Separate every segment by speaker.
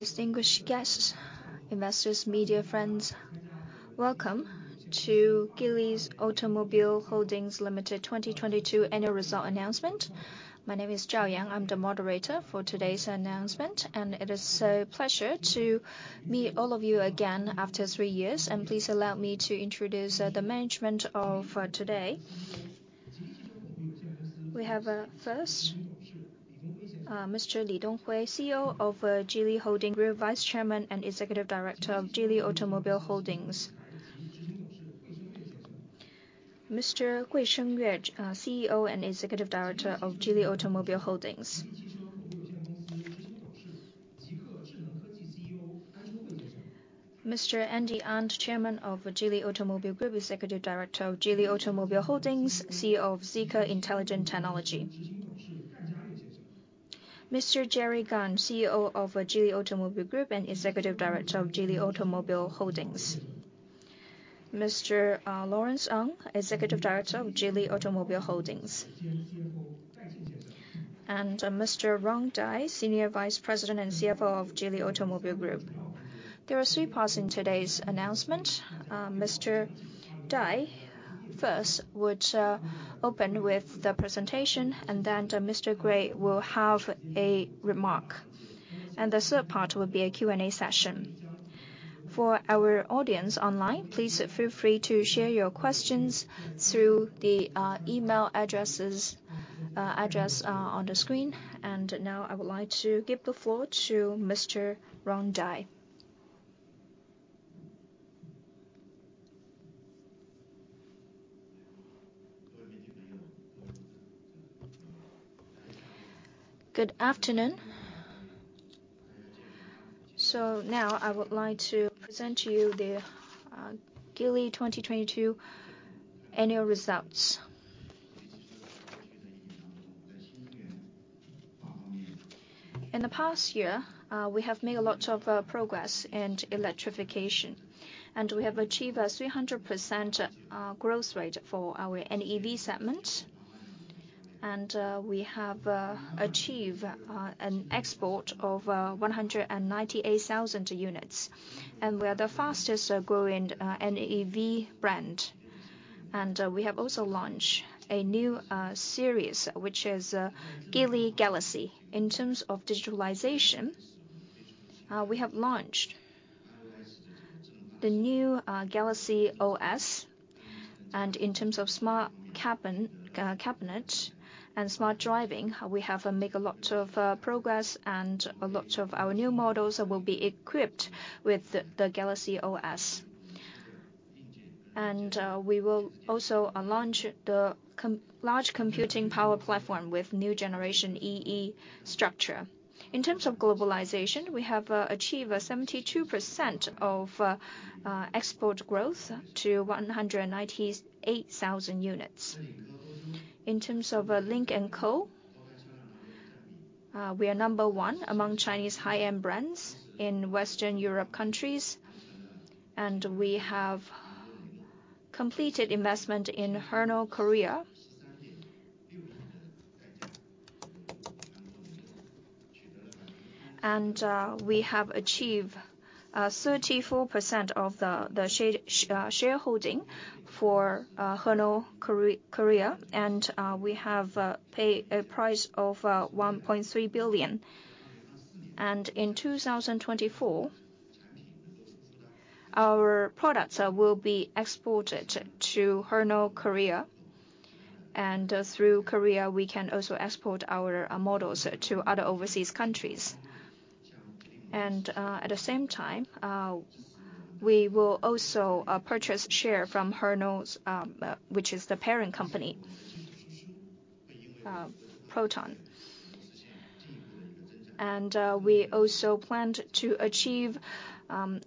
Speaker 1: Distinguished guests, investors, media friends, welcome to Geely Automobile Holdings Limited 2022 Annual Result Announcement. My name is Zhao Yang. I'm the moderator for today's announcement. It is a pleasure to meet all of you again after 3 years. Please allow me to introduce the management of today. We have first Mr. Li Shufu, CEO of Geely Holding Group, Vice Chairman and Executive Director of Geely Automobile Holdings. Mr. Gui Shengyue, CEO and Executive Director of Geely Automobile Holdings. Mr. An Conghui, Chairman of Geely Automobile Group, Executive Director of Geely Automobile Holdings, CEO of Zeekr Intelligent Technology. Mr. Jerry Gan, CEO of Geely Automobile Group and Executive Director of Geely Automobile Holdings. Mr. Lawrence Ang, Executive Director of Geely Automobile Holdings. Mr. Dai Yong, Senior Vice President and CFO of Geely Automobile Group. There are three parts in today's announcement. Mr. Dai first would open with the presentation, Mr. Gui will have a remark. The third part will be a Q&A session. For our audience online, please feel free to share your questions through the email address on the screen. Now I would like to give the floor to Mr. Yong Dai.
Speaker 2: Good afternoon. Now I would like to present to you the Geely 2022 annual results. In the past year, we have made a lot of progress in electrification, and we have achieved a 300% growth rate for our NEV segment. We have achieved an export of 198,000 units. We are the fastest growing NEV brand. We have also launched a new series, which is Geely Galaxy. In terms of digitalization, we have launched the new Galaxy OS. In terms of smart cabin, cabinet and smart driving, we have make a lot of progress and a lot of our new models will be equipped with the Galaxy OS. We will also launch the large computing power platform with new generation E/E architecture. In terms of globalization, we have achieved a 72% of export growth to 198,000 units. In terms of Lynk & Co, we are number one among Chinese high-end brands in Western Europe countries, and we have completed investment in Renault Korea Motors. We have achieved 34% of the shareholding for Renault Korea Motors. We have paid a price of 1.3 billion. In 2024, our products will be exported to Renault Korea Motors. Through Korea, we can also export our models to other overseas countries. At the same time, we will also purchase share from DRB-HICOM, which is the parent company, Proton. We also planned to achieve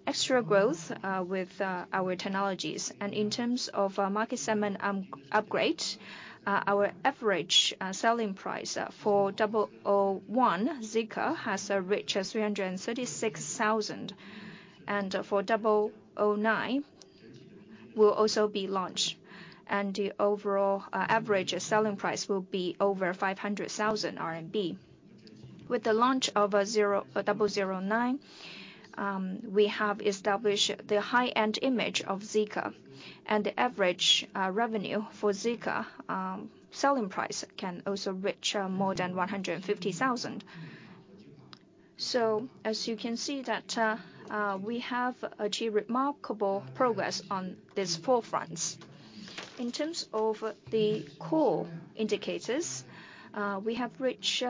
Speaker 2: extra growth with our technologies. In terms of market segment upgrade, our average selling price for Zeekr 001 has reached 336,000. For Zeekr 009 will also be launched. The overall average selling price will be over 500,000 RMB. With the launch of Zeekr 009, we have established the high-end image of Zeekr. The average revenue for Zeekr selling price can also reach more than 150,000. As you can see that, we have achieved remarkable progress on these four fronts. In terms of the core indicators, we have reached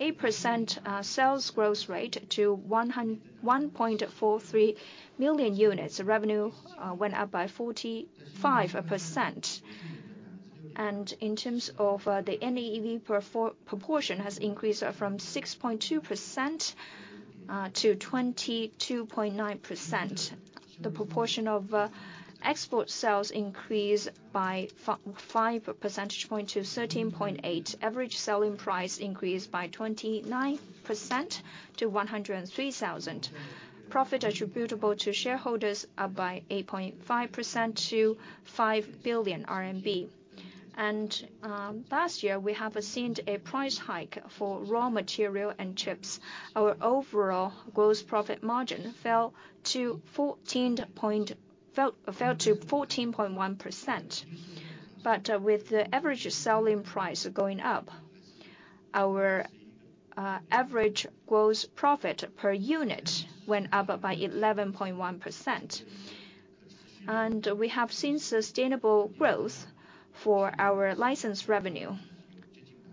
Speaker 2: 8% sales growth rate to 1.43 million units. Revenue went up by 45%. In terms of the NEV proportion has increased from 6.2% to 22.9%. The proportion of export sales increased by 5 percentage point to 13.8%. Average selling price increased by 29% to 103,000. Profit attributable to shareholders up by 8.5% to 5 billion RMB. Last year, we have seen a price hike for raw material and chips. Our overall gross profit margin fell to 14.1%. With the average selling price going up, our average gross profit per unit went up by 11.1%. We have seen sustainable growth for our licensed revenue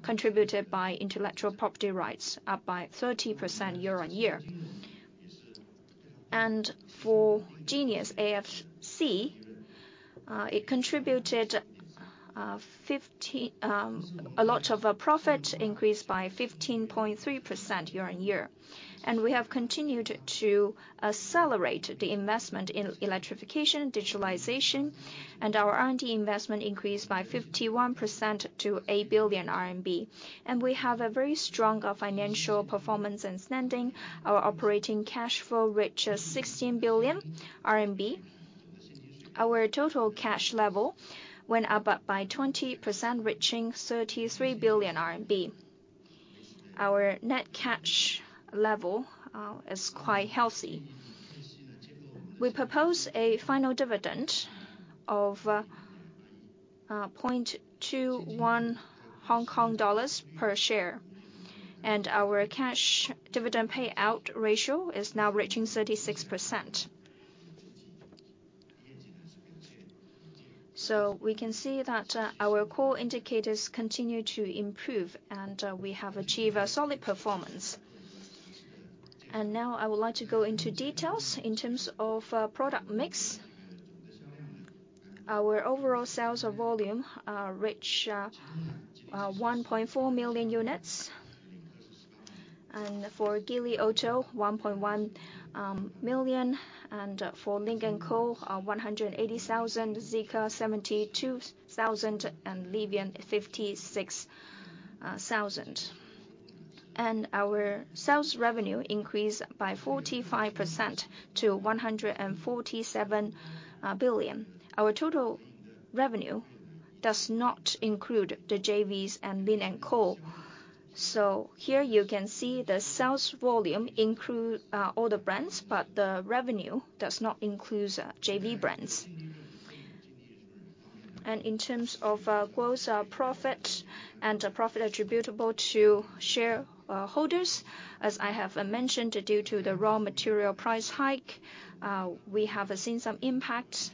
Speaker 2: contributed by intellectual property rights up by 30% year-on-year. For Genius AFC, it contributed 50... A lot of our profit increased by 15.3% year-on-year. We have continued to accelerate the investment in electrification, digitalization, and our R&D investment increased by 51% to 8 billion RMB. We have a very strong financial performance and standing. Our operating cash flow reached 16 billion RMB. Our total cash level went up by 20% reaching 33 billion RMB. Our net cash level is quite healthy. We propose a final dividend of 0.21 Hong Kong dollars per share, and our cash dividend payout ratio is now reaching 36%. We can see that our core indicators continue to improve and we have achieved a solid performance. Now I would like to go into details in terms of product mix. Our overall sales volume reached 1.4 million units. For Geely Auto, 1.1 million. For Lynk & Co, 180,000. Zeekr, 72,000. Livan, 56,000. Our sales revenue increased by 45% to 147 billion. Our total revenue does not include the JVs and Lynk & Co. Here you can see the sales volume include all the brands, but the revenue does not includes JV brands. In terms of gross profit and profit attributable to shareholders, as I have mentioned, due to the raw material price hike, we have seen some impact.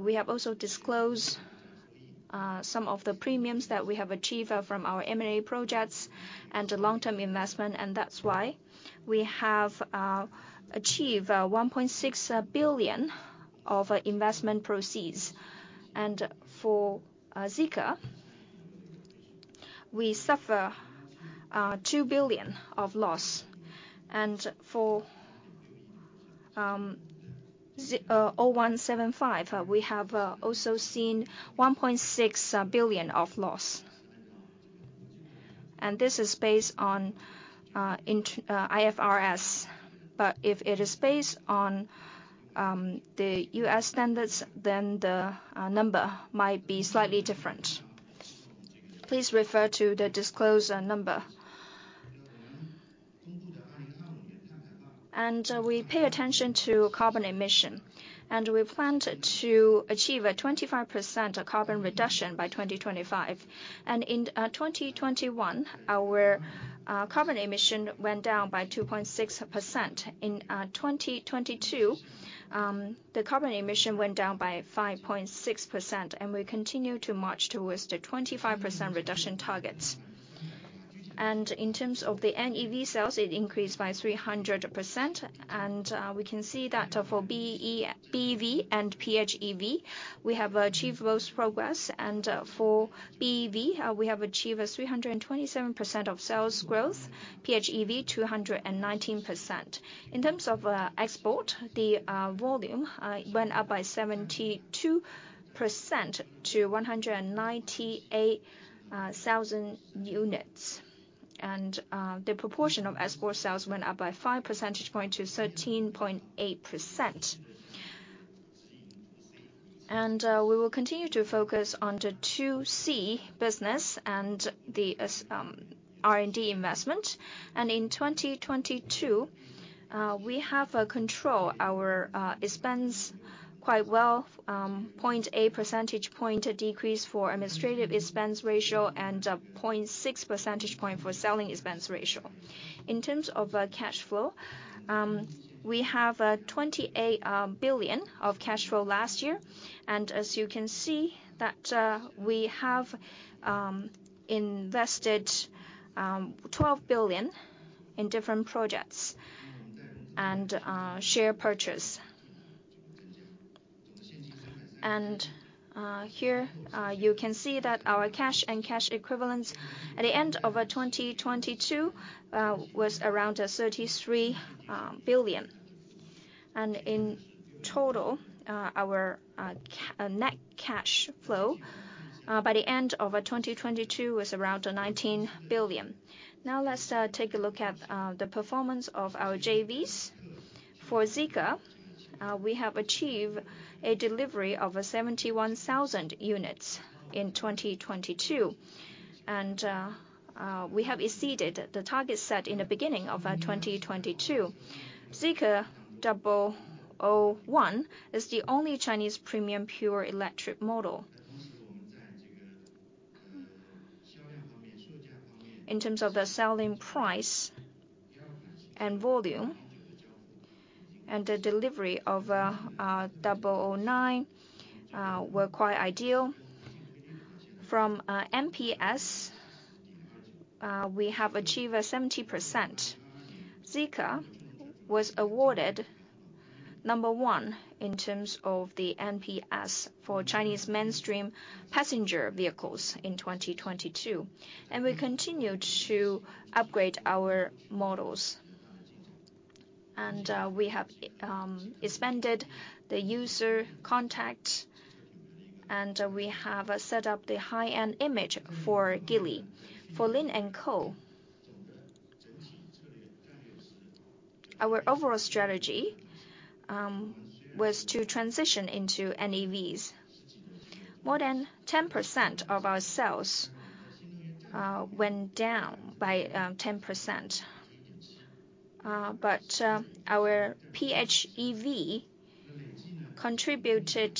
Speaker 2: We have also disclosed some of the premiums that we have achieved from our M&A projects and the long-term investment, and that's why we have achieved 1.6 billion of investment proceeds. For Zeekr, we suffer 2 billion of loss. For 0175, we have also seen 1.6 billion of loss. This is based on IFRS. If it is based on the US standards, then the number might be slightly different. Please refer to the disclosed number. We pay attention to carbon emission, and we plan to achieve a 25% of carbon reduction by 2025. In 2021, our carbon emission went down by 2.6%. In 2022, the carbon emission went down by 5.6%, and we continue to march towards the 25% reduction targets. In terms of the NEV sales, it increased by 300%. We can see that for BEV and PHEV we have achieved those progress. For BEV, we have achieved a 327% of sales growth. PHEV, 219%. In terms of export, the volume went up by 72% to 198,000 units. The proportion of export sales went up by 5 percentage point to 13.8%. We will continue to focus on the 2C business and the S, R&D investment. In 2022, we have control our expense quite well. 0.8 percentage point decrease for administrative expense ratio and 0.6 percentage point for selling expense ratio. In terms of cash flow, we have 28 billion of cash flow last year. As you can see that, we have invested 12 billion in different projects and share purchase. Here, you can see that our cash and cash equivalents at the end of 2022 was around 33 billion. In total, our net cash flow by the end of 2022 was around 19 billion. Now let's take a look at the performance of our JVs. For Zeekr, we have achieved a delivery of 71,000 units in 2022. We have exceeded the target set in the beginning of 2022. Zeekr 001 is the only Chinese premium pure electric model. In terms of the selling price and volume, and the delivery of 009 were quite ideal. From NPS, we have achieved 70%. Zeekr was awarded number one in terms of the NPS for Chinese mainstream passenger vehicles in 2022. We continue to upgrade our models. We have expanded the user contact and we have set up the high-end image for Geely. For Lynk & Co, our overall strategy was to transition into NEVs. More than 10% of our sales went down by 10%. Our PHEV contributed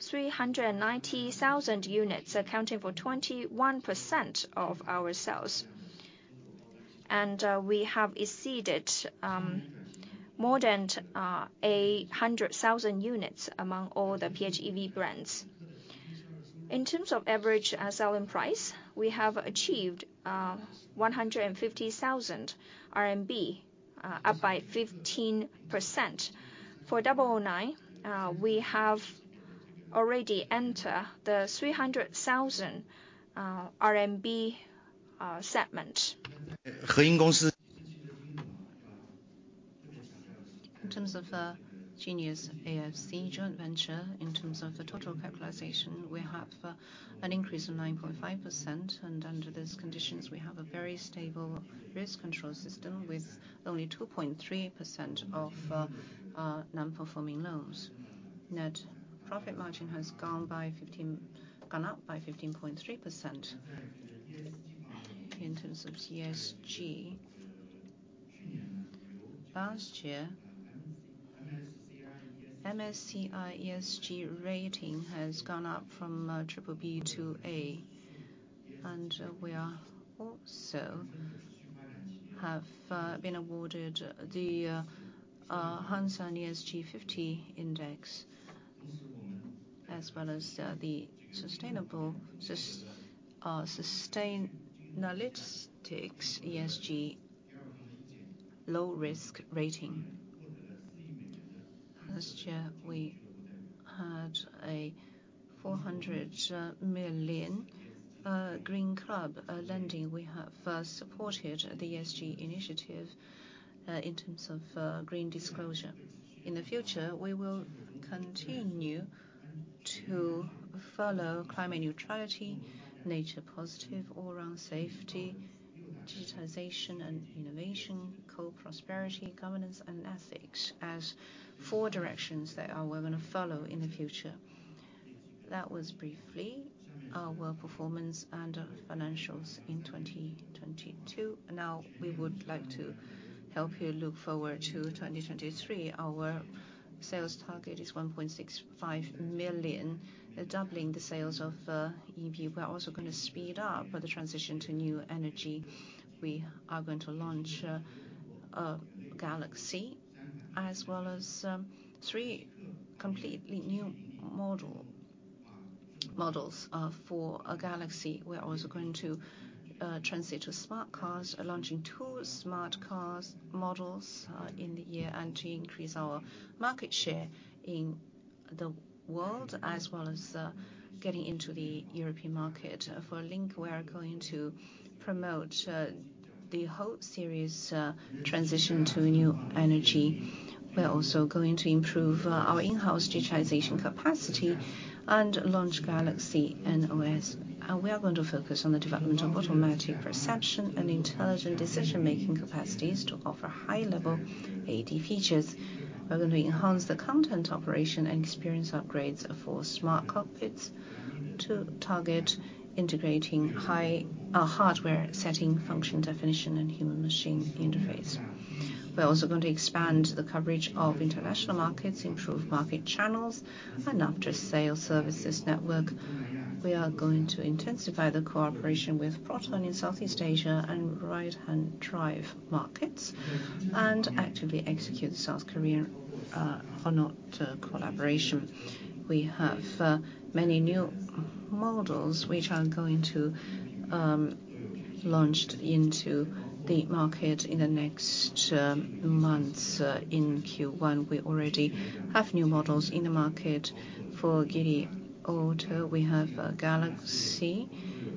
Speaker 2: 390,000 units, accounting for 21% of our sales. We have exceeded more than 100,000 units among all the PHEV brands. In terms of average selling price, we have achieved 150,000 RMB, up by 15%. For 009, we have already enter the 300,000 RMB segment. In terms of Genius AFC joint venture, in terms of the total capitalization, we have an increase of 9.5%. Under those conditions, we have a very stable risk control system with only 2.3% of non-performing loans. Net profit margin has gone up by 15.3%. In terms of TSG, last year MSCI ESG rating has gone up from BBB to A. We are also have been awarded the Hang Seng ESG 50 Index, as well as the Sustainalytics ESG low-risk rating. Last year we had a 400 million green club lending. We have supported the ESG initiative in terms of green disclosure. In the future, we will continue to follow climate neutrality, nature positive, all around safety, digitization and innovation, co-prosperity, governance and ethics as four directions that we're gonna follow in the future. That was briefly our performance and financials in 2022. We would like to help you look forward to 2023. Our sales target is 1.65 million, doubling the sales of EV. We are also gonna speed up with the transition to new energy. We are going to launch Galaxy as well as three completely new models for Galaxy. We are also going to transit to smart cars, launching two smart cars models in the year and to increase our market share in the world, as well as getting into the European market. For Lynk, we are going to promote the whole series transition to new energy. We are also going to improve our in-house digitization capacity and launch Galaxy and OS. We are going to focus on the development of automatic perception and intelligent decision-making capacities to offer high-level AD features. We're going to enhance the content operation and experience upgrades for smart cockpits to target integrating high hardware setting, function definition and human machine interface. We're also going to expand the coverage of international markets, improve market channels and after-sales services network. We are going to intensify the cooperation with Proton in Southeast Asia and right-hand drive markets, and actively execute South Korea Motors collaboration. We have many new models which are going to launch into the market in the next months in Q1. We already have new models in the market. For Geely Auto, we have Galaxy,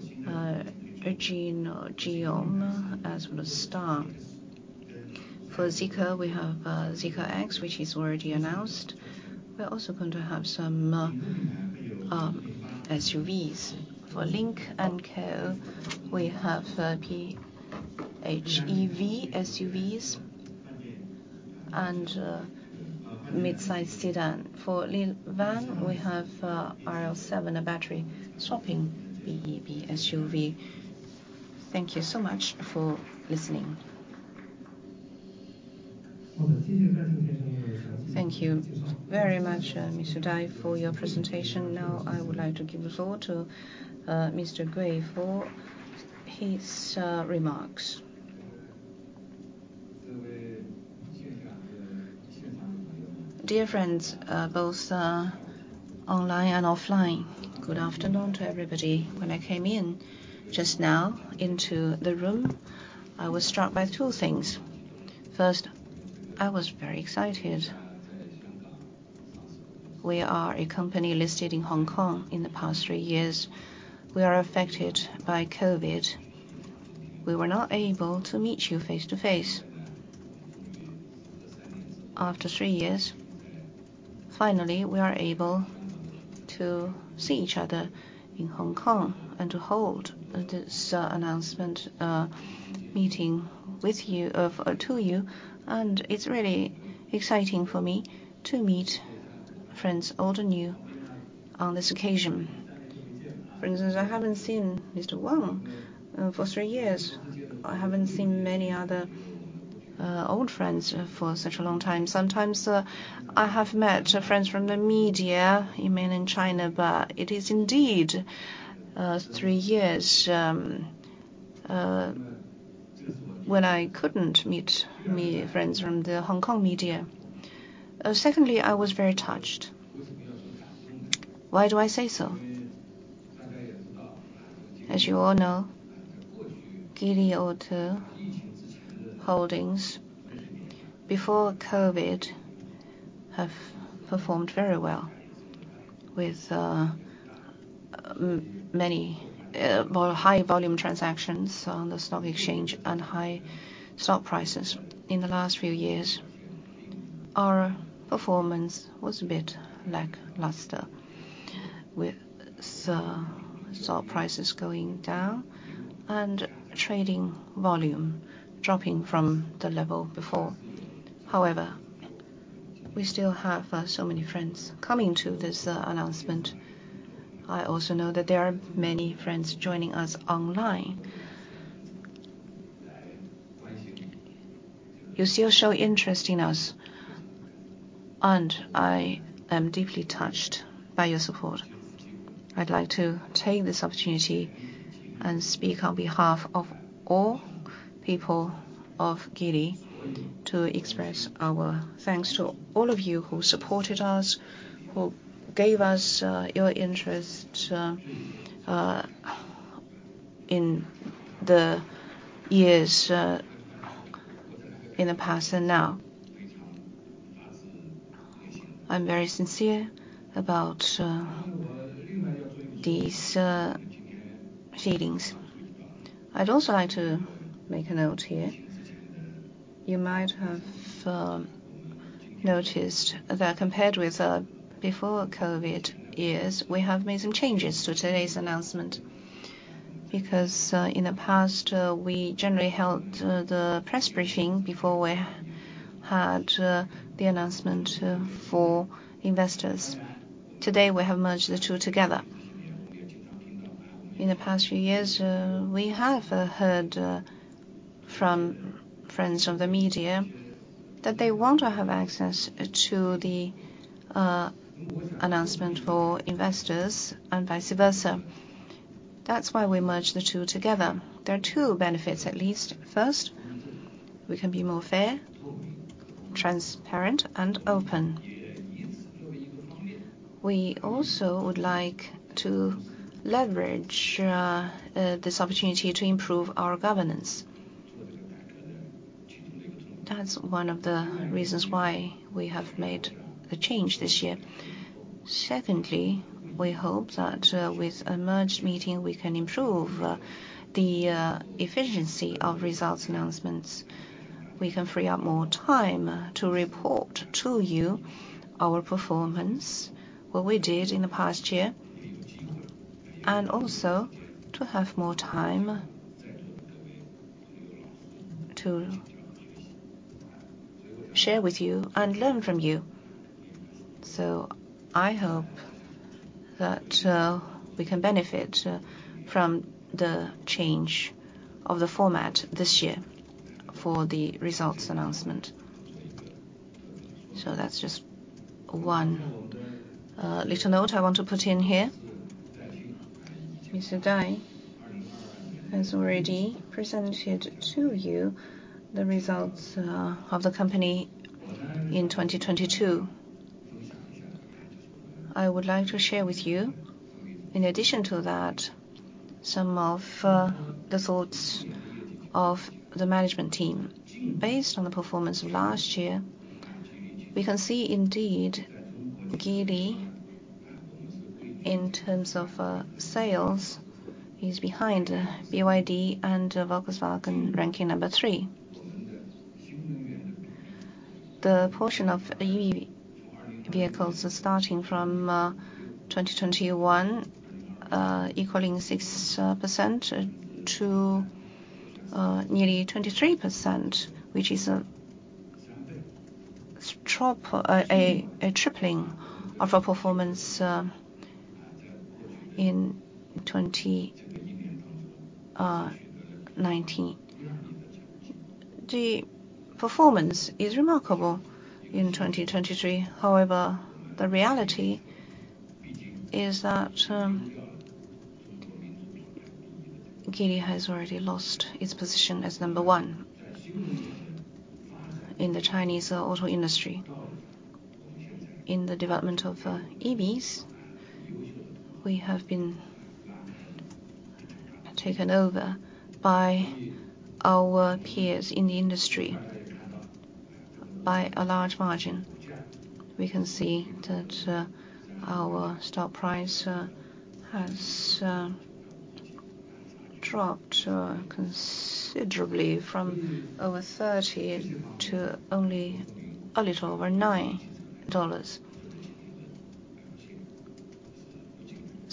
Speaker 2: Geely Geometry as well as Star. For Zeekr, we have Zeekr X, which is already announced. We're also going to have some SUVs. For Lynk & Co we have PHEV SUVs and midsize sedan. For Livan, we have RL7, a battery swapping BEV SUV. Thank you so much for listening.
Speaker 1: Thank you very much, Mr. Dai, for your presentation. Now I would like to give the floor to Mr. Gui for his remarks.
Speaker 3: Dear friends, both online and offline, good afternoon to everybody. When I came in just now into the room, I was struck by two things. First, I was very excited. We are a company listed in Hong Kong. In the past three years we are affected by COVID. We were not able to meet you face-to-face. After three years, finally, we are able to see each other in Hong Kong and to hold this announcement meeting with you. To you. It's really exciting for me to meet friends old and new on this occasion. For instance, I haven't seen Mr. Wang for three years. I haven't seen many other old friends for such a long time. Sometimes, I have met friends from the media, mainly in China, but it is indeed, three years, when I couldn't meet friends from the Hong Kong media. Secondly, I was very touched. Why do I say so? As you all know, Geely Auto Holdings, before COVID, have performed very well with many more high volume transactions on the stock exchange and high stock prices. In the last few years, our performance was a bit lackluster with stock prices going down and trading volume dropping from the level before. However, we still have so many friends coming to this announcement. I also know that there are many friends joining us online. You still show interest in us, and I am deeply touched by your support. I'd like to take this opportunity and speak on behalf of all people of Geely to express our thanks to all of you who supported us, who gave us your interest in the years in the past and now. I'm very sincere about these feelings. I'd also like to make a note here. You might have noticed that compared with before COVID years, we have made some changes to today's announcement. In the past, we generally held the press briefing before we had the announcement for investors. Today, we have merged the two together. In the past few years, we have heard from friends of the media that they want to have access to the announcement for investors and vice versa. We merged the two together. There are two benefits at least. First, we can be more fair, transparent and open. We also would like to leverage this opportunity to improve our governance. That's one of the reasons why we have made a change this year. Secondly, we hope that with a merged meeting, we can improve the efficiency of results announcements. We can free up more time to report to you our performance, what we did in the past year, and also to have more time to share with you and learn from you. I hope that we can benefit from the change of the format this year for the results announcement. That's just one little note I want to put in here. Mr. Dai has already presented to you the results of the company in 2022. I would like to share with you, in addition to that, some of the thoughts of the management team. Based on the performance of last year, we can see indeed Geely-In terms of sales, he's behind BYD and Volkswagen ranking number three. The portion of EV vehicles are starting from 2021 equaling 6% to nearly 23%, which is a drop, A tripling of a performance in 2019. The performance is remarkable in 2023. However, the reality is that Geely has already lost its position as number one in the Chinese auto industry. In the development of EVs, we have been taken over by our peers in the industry by a large margin. We can see that, our stock price has dropped considerably from over 30 to only a little over 9 dollars.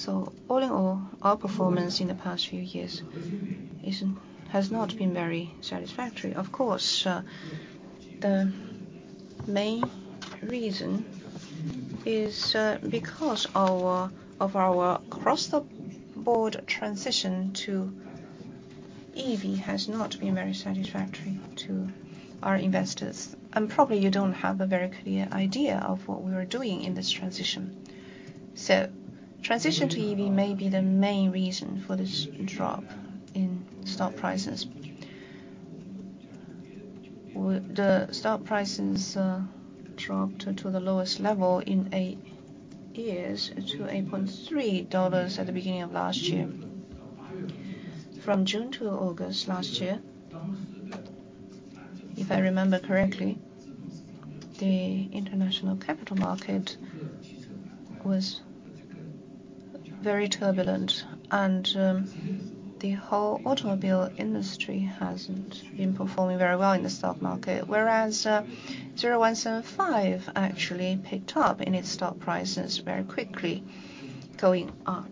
Speaker 3: All in all, our performance in the past few years has not been very satisfactory. Of course, the main reason is because of our across the board transition to EV has not been very satisfactory to our investors. Probably you don't have a very clear idea of what we're doing in this transition. Transition to EV may be the main reason for this drop in stock prices. With the stock prices dropped to the lowest level in 8 years to 8.3 dollars at the beginning of last year. From June to August last year, if I remember correctly, the international capital market was very turbulent and the whole automobile industry hasn't been performing very well in the stock market. Whereas, 0175 actually picked up in its stock prices very quickly, going up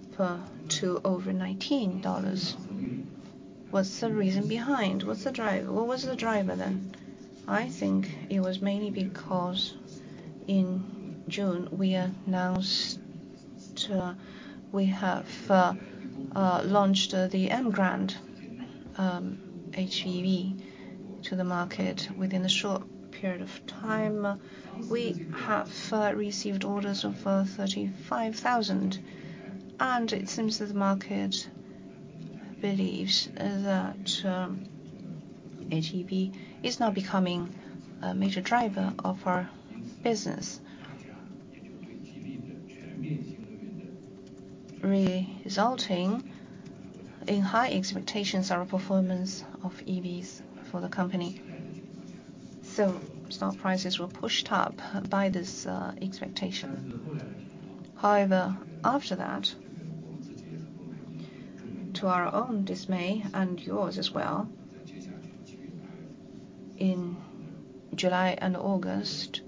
Speaker 3: to over 19 dollars. What's the reason behind? What's the driver? What was the driver then? I think it was mainly because in June we announced we have launched the Emgrand HEV to the market within a short period of time. We have received orders of 35,000, and it seems that the market believes that HEV is now becoming a major driver of our business. Resulting in high expectations of the performance of EVs for the company. Stock prices were pushed up by this expectation. After that, to our own dismay and yours as well, in July and August,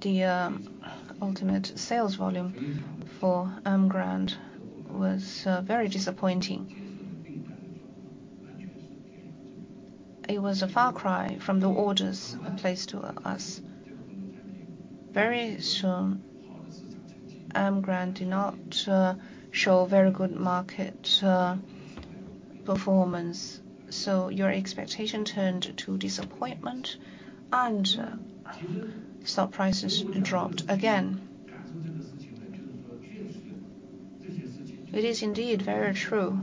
Speaker 3: the ultimate sales volume for Emgrand was very disappointing. It was a far cry from the orders placed to us. Very soon, Emgrand did not show very good market performance. Your expectation turned to disappointment and stock prices dropped again. It is indeed very true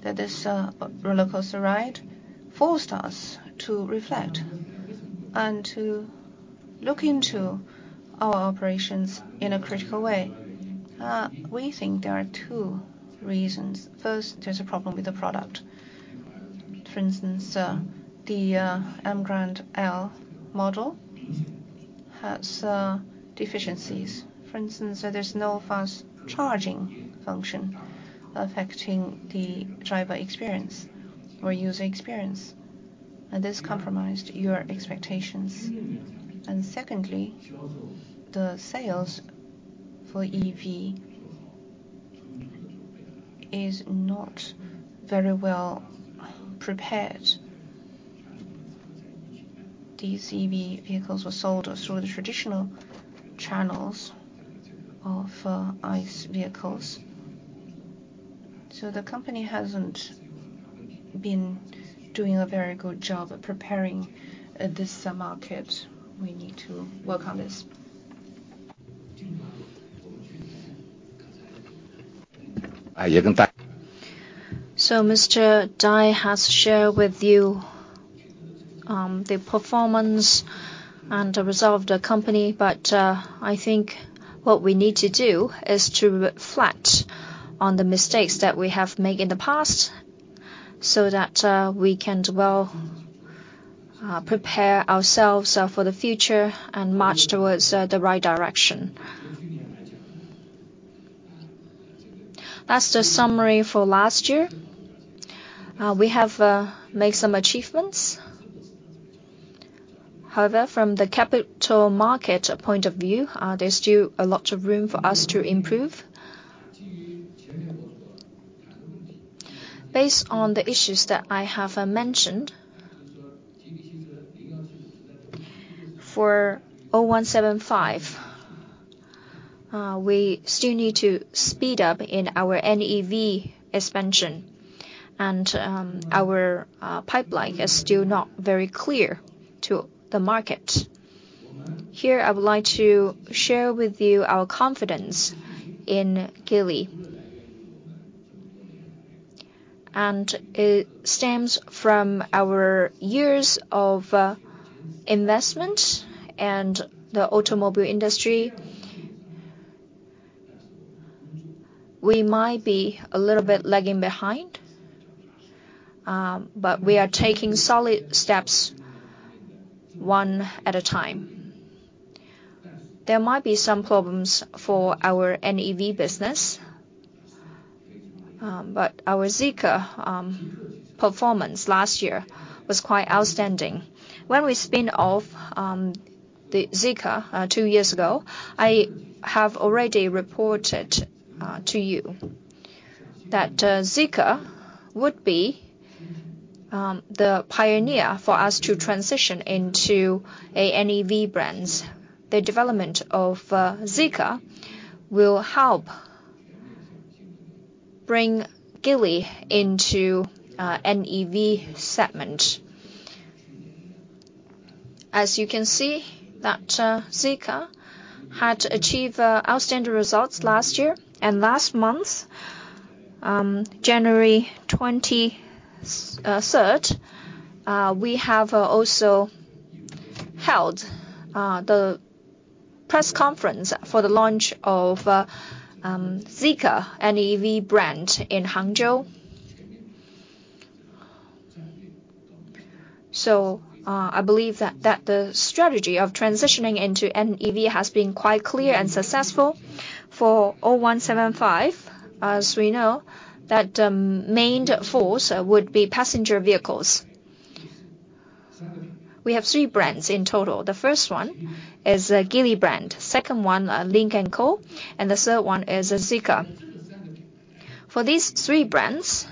Speaker 3: that this rollercoaster ride forced us to reflect and to look into our operations in a critical way. We think there are two reasons. First, there's a problem with the product. For instance, the Emgrand L model has deficiencies. For instance, there's no fast charging function affecting the driver experience or user experience. This compromised your expectations. Secondly, the sales for EV is not very well prepared. These EV vehicles were sold through the traditional channels of ICE vehicles. The company hasn't been doing a very good job at preparing this market. We need to work on this. Mr. Dai has shared with you the performance and the result of the company. I think what we need to do is to reflect on the mistakes that we have made in the past so that we can well prepare ourselves for the future and march towards the right direction. That's the summary for last year. We have made some achievements. However, from the capital market point of view, there's still a lot of room for us to improve. Based on the issues that I have mentioned, for 0175, we still need to speed up in our NEV expansion, and our pipeline is still not very clear to the market. Here, I would like to share with you our confidence in Geely. It stems from our years of investment and the automobile industry. We might be a little bit lagging behind, but we are taking solid steps one at a time. There might be some problems for our NEV business, but our Zeekr performance last year was quite outstanding. When we spin off, the Zeekr, two years ago, I have already reported to you that Zeekr would be the pioneer for us to transition into a NEV brands. The development of Zeekr will help bring Geely into NEV segment. As you can see, that Zeekr had achieved outstanding results last year and last month, January 23rd, we have also held the press conference for the launch of Zeekr NEV brand in Hangzhou. I believe that the strategy of transitioning into NEV has been quite clear and successful. For 0175, as we know, that main force would be passenger vehicles. We have three brands in total. The first one is Geely brand. Second one, Lynk & Co, and the 3rd one is Zeekr. For these three brands,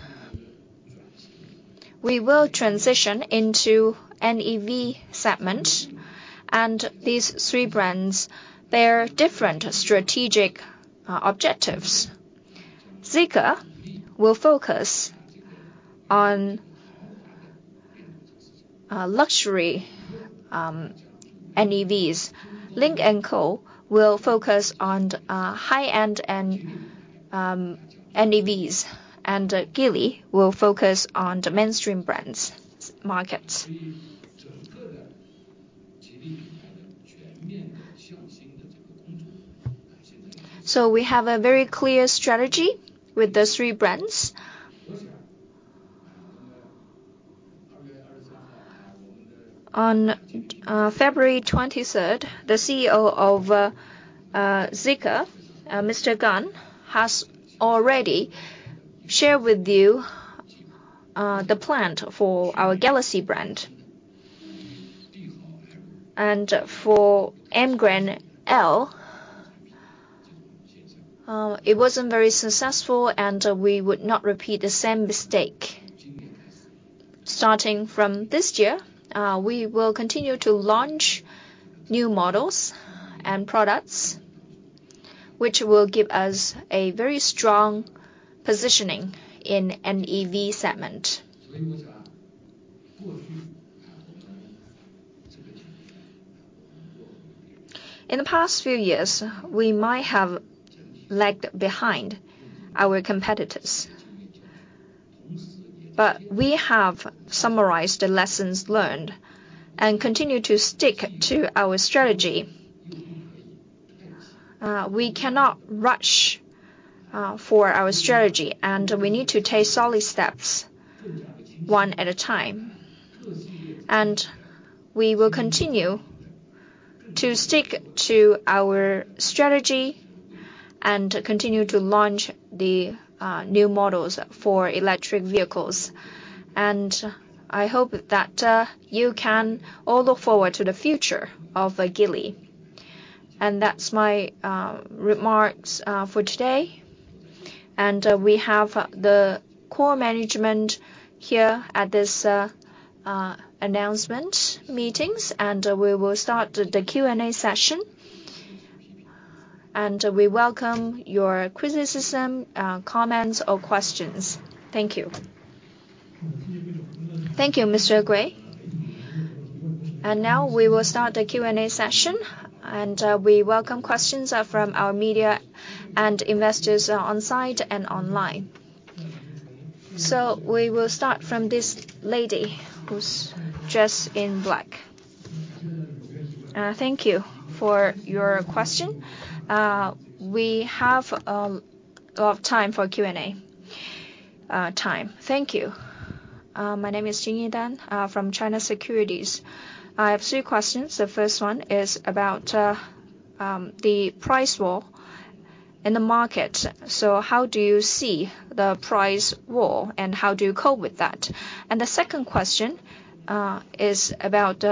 Speaker 3: we will transition into NEV segment. These three brands, they are different strategic objectives. Zeekr will focus on luxury NEVs. Lynk & Co will focus on high-end and NEVs. Geely will focus on the mainstream brands markets. We have a very clear strategy with those three brands. On February 23rd, the CEO of Zeekr, An Conghui, has already shared with you the plan for our Galaxy brand. For Emgrand L, it wasn't very successful, and we would not repeat the same mistake. Starting from this year, we will continue to launch new models and products, which will give us a very strong positioning in NEV segment. In the past few years, we might have lagged behind our competitors, but we have summarized the lessons learned and continue to stick to our strategy. We cannot rush for our strategy, and we need to take solid steps one at a time. We will continue to stick to our strategy and continue to launch the new models for electric vehicles. I hope that you can all look forward to the future of Geely. That's my remarks for today. We have the core management here at this announcement meetings, and we will start the Q&A session. We welcome your criticism, comments or questions.
Speaker 1: Thank you. Thank you, Mr. Gui. Now we will start the Q&A session, and we welcome questions from our media and investors on site and online. We will start from this lady who's dressed in black. Thank you for your question. We have time for Q&A time.
Speaker 4: Thank you. My name is Xinyi Dan, from China Securities. I have three questions. The first one is about the price war in the market. How do you see the price war, and how do you cope with that? The second question is about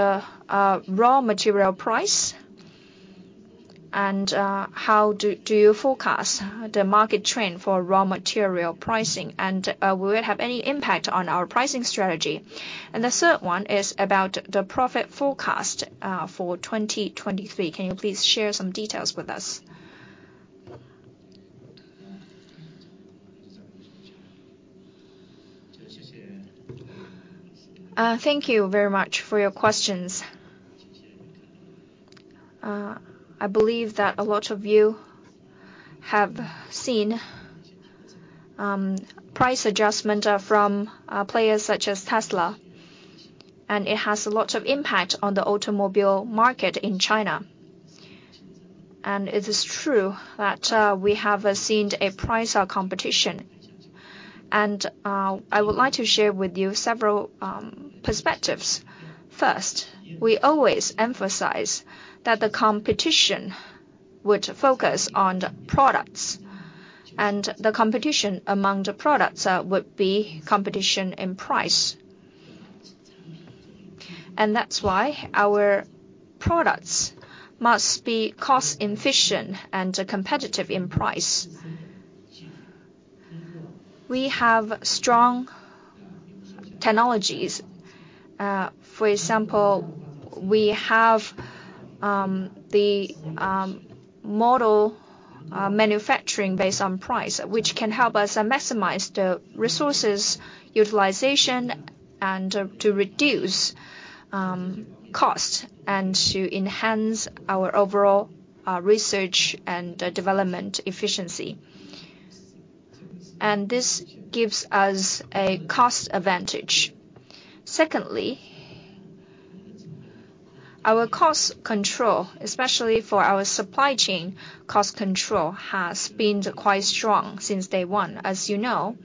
Speaker 4: raw material price and how do you forecast the market trend for raw material pricing? Will it have any impact on our pricing strategy? The third one is about the profit forecast for 2023. Can you please share some details with us?
Speaker 2: Thank you very much for your questions. I believe that a lot of you have seen price adjustment from players such as Tesla, and it has a lot of impact on the automobile market in China. It is true that we have seen a price competition. I would like to share with you several perspectives. First, we always emphasize that the competition would focus on the products, and the competition among the products would be competition in price. That's why our products must be cost-efficient and competitive in price. We have strong technologies. For example, we have the model manufacturing based on price, which can help us maximize the resources utilization and reduce cost and enhance our overall research and development efficiency. This gives us a cost advantage. Secondly, our cost control, especially for our supply chain cost control, has been quite strong since day one. As you know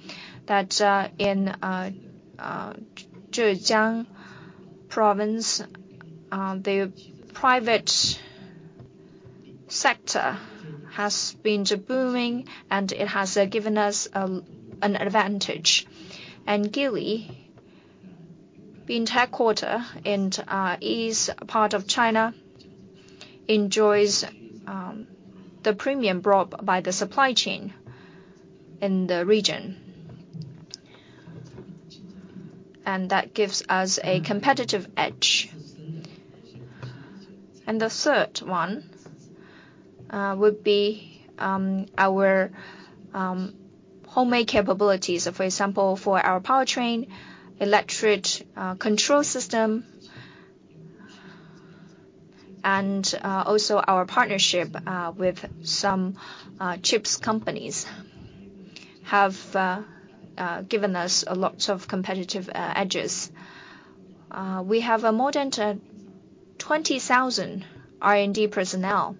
Speaker 2: that, in Zhejiang Province, the private sector has been booming, and it has given us an advantage. Geely being headquarter in east part of China, enjoys the premium brought by the supply chain in the region. That gives us a competitive edge. The third one would be our homemade capabilities. For example, for our powertrain, electric control system, and also our partnership with some chips companies have given us a lot of competitive edges. We have more than 20,000 R&D personnel,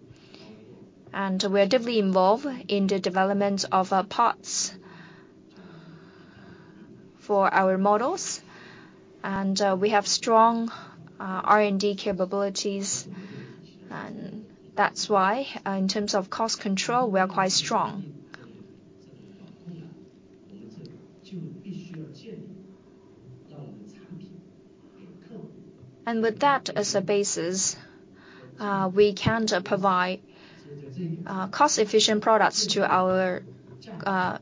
Speaker 2: and we're deeply involved in the development of parts for our models, and we have strong R&D capabilities. That's why, in terms of cost control, we are quite strong. With that as a basis, we can't provide cost-efficient products to our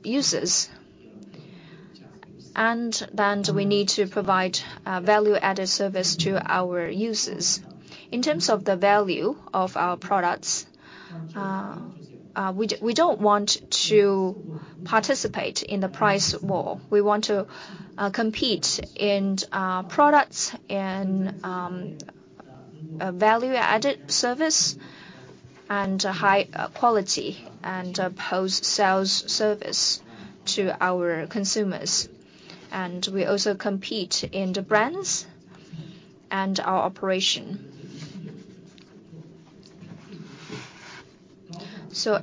Speaker 2: users. We need to provide value-added service to our users. In terms of the value of our products, we don't want to participate in the price war. We want to compete in products and value-added service and high quality and post-sales service to our consumers. We also compete in the brands and our operation.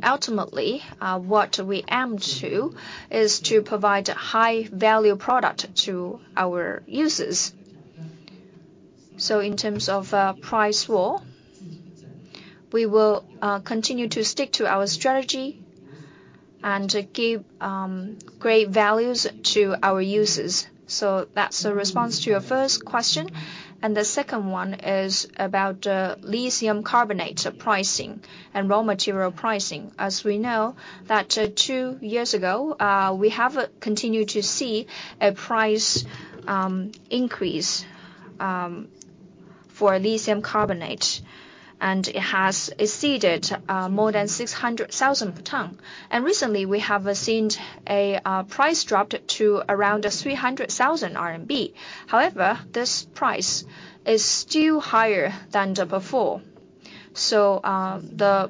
Speaker 2: Ultimately, what we aim to is to provide high-value product to our users. In terms of price war, we will continue to stick to our strategy and give great values to our users. That's a response to your first question. The second one is about lithium carbonate pricing and raw material pricing. As we know that, two years ago, we have continued to see a price increase for lithium carbonate, and it has exceeded more than 600,000 per ton. Recently we have seen a price dropped to around 300,000 RMB. However, this price is still higher than before. The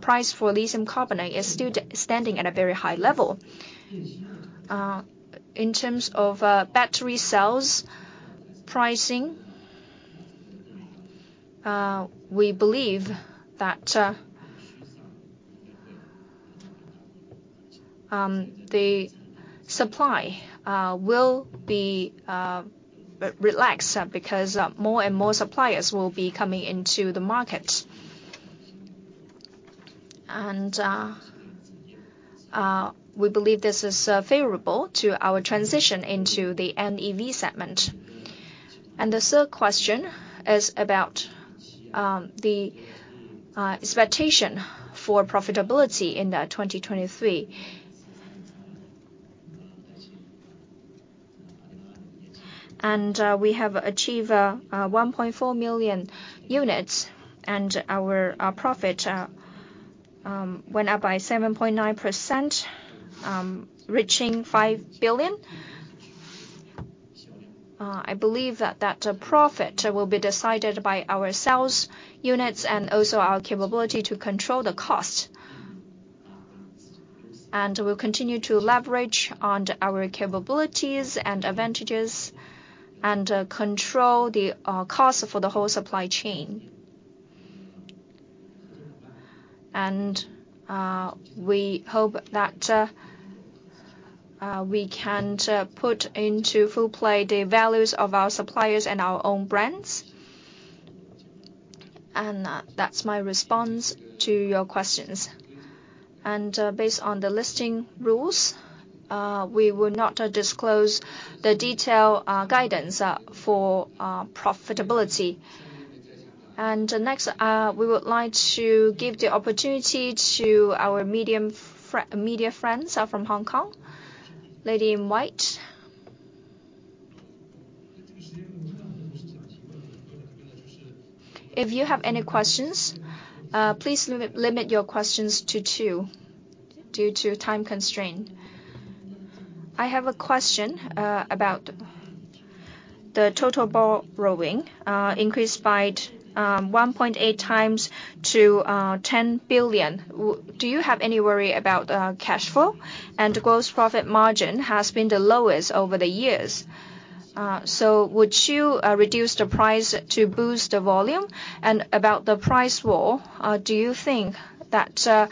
Speaker 2: price for lithium carbonate is still standing at a very high level. In terms of battery cells pricing, we believe that the supply will be relaxed, because more and more suppliers will be coming into the market. We believe this is favorable to our transition into the NEV segment. The third question is about the expectation for profitability in 2023. We have achieved 1.4 million units, our profit went up by 7.9%, reaching RMB 5 billion. I believe that that profit will be decided by our sales units and also our capability to control the cost. We'll continue to leverage on our capabilities and advantages and control the cost for the whole supply chain. We hope that we can put into full play the values of our suppliers and our own brands. That's my response to your questions. Based on the listing rules, we will not disclose the detail guidance for profitability.
Speaker 1: Next, we would like to give the opportunity to our media friends from Hong Kong. Lady in white. If you have any questions, please limit your questions to two due to time constraint.
Speaker 5: I have a question about the total borrowing increased by 1.8 times to 10 billion. Do you have any worry about cash flow? Gross profit margin has been the lowest over the years. Would you reduce the price to boost the volume? About the price war, do you think that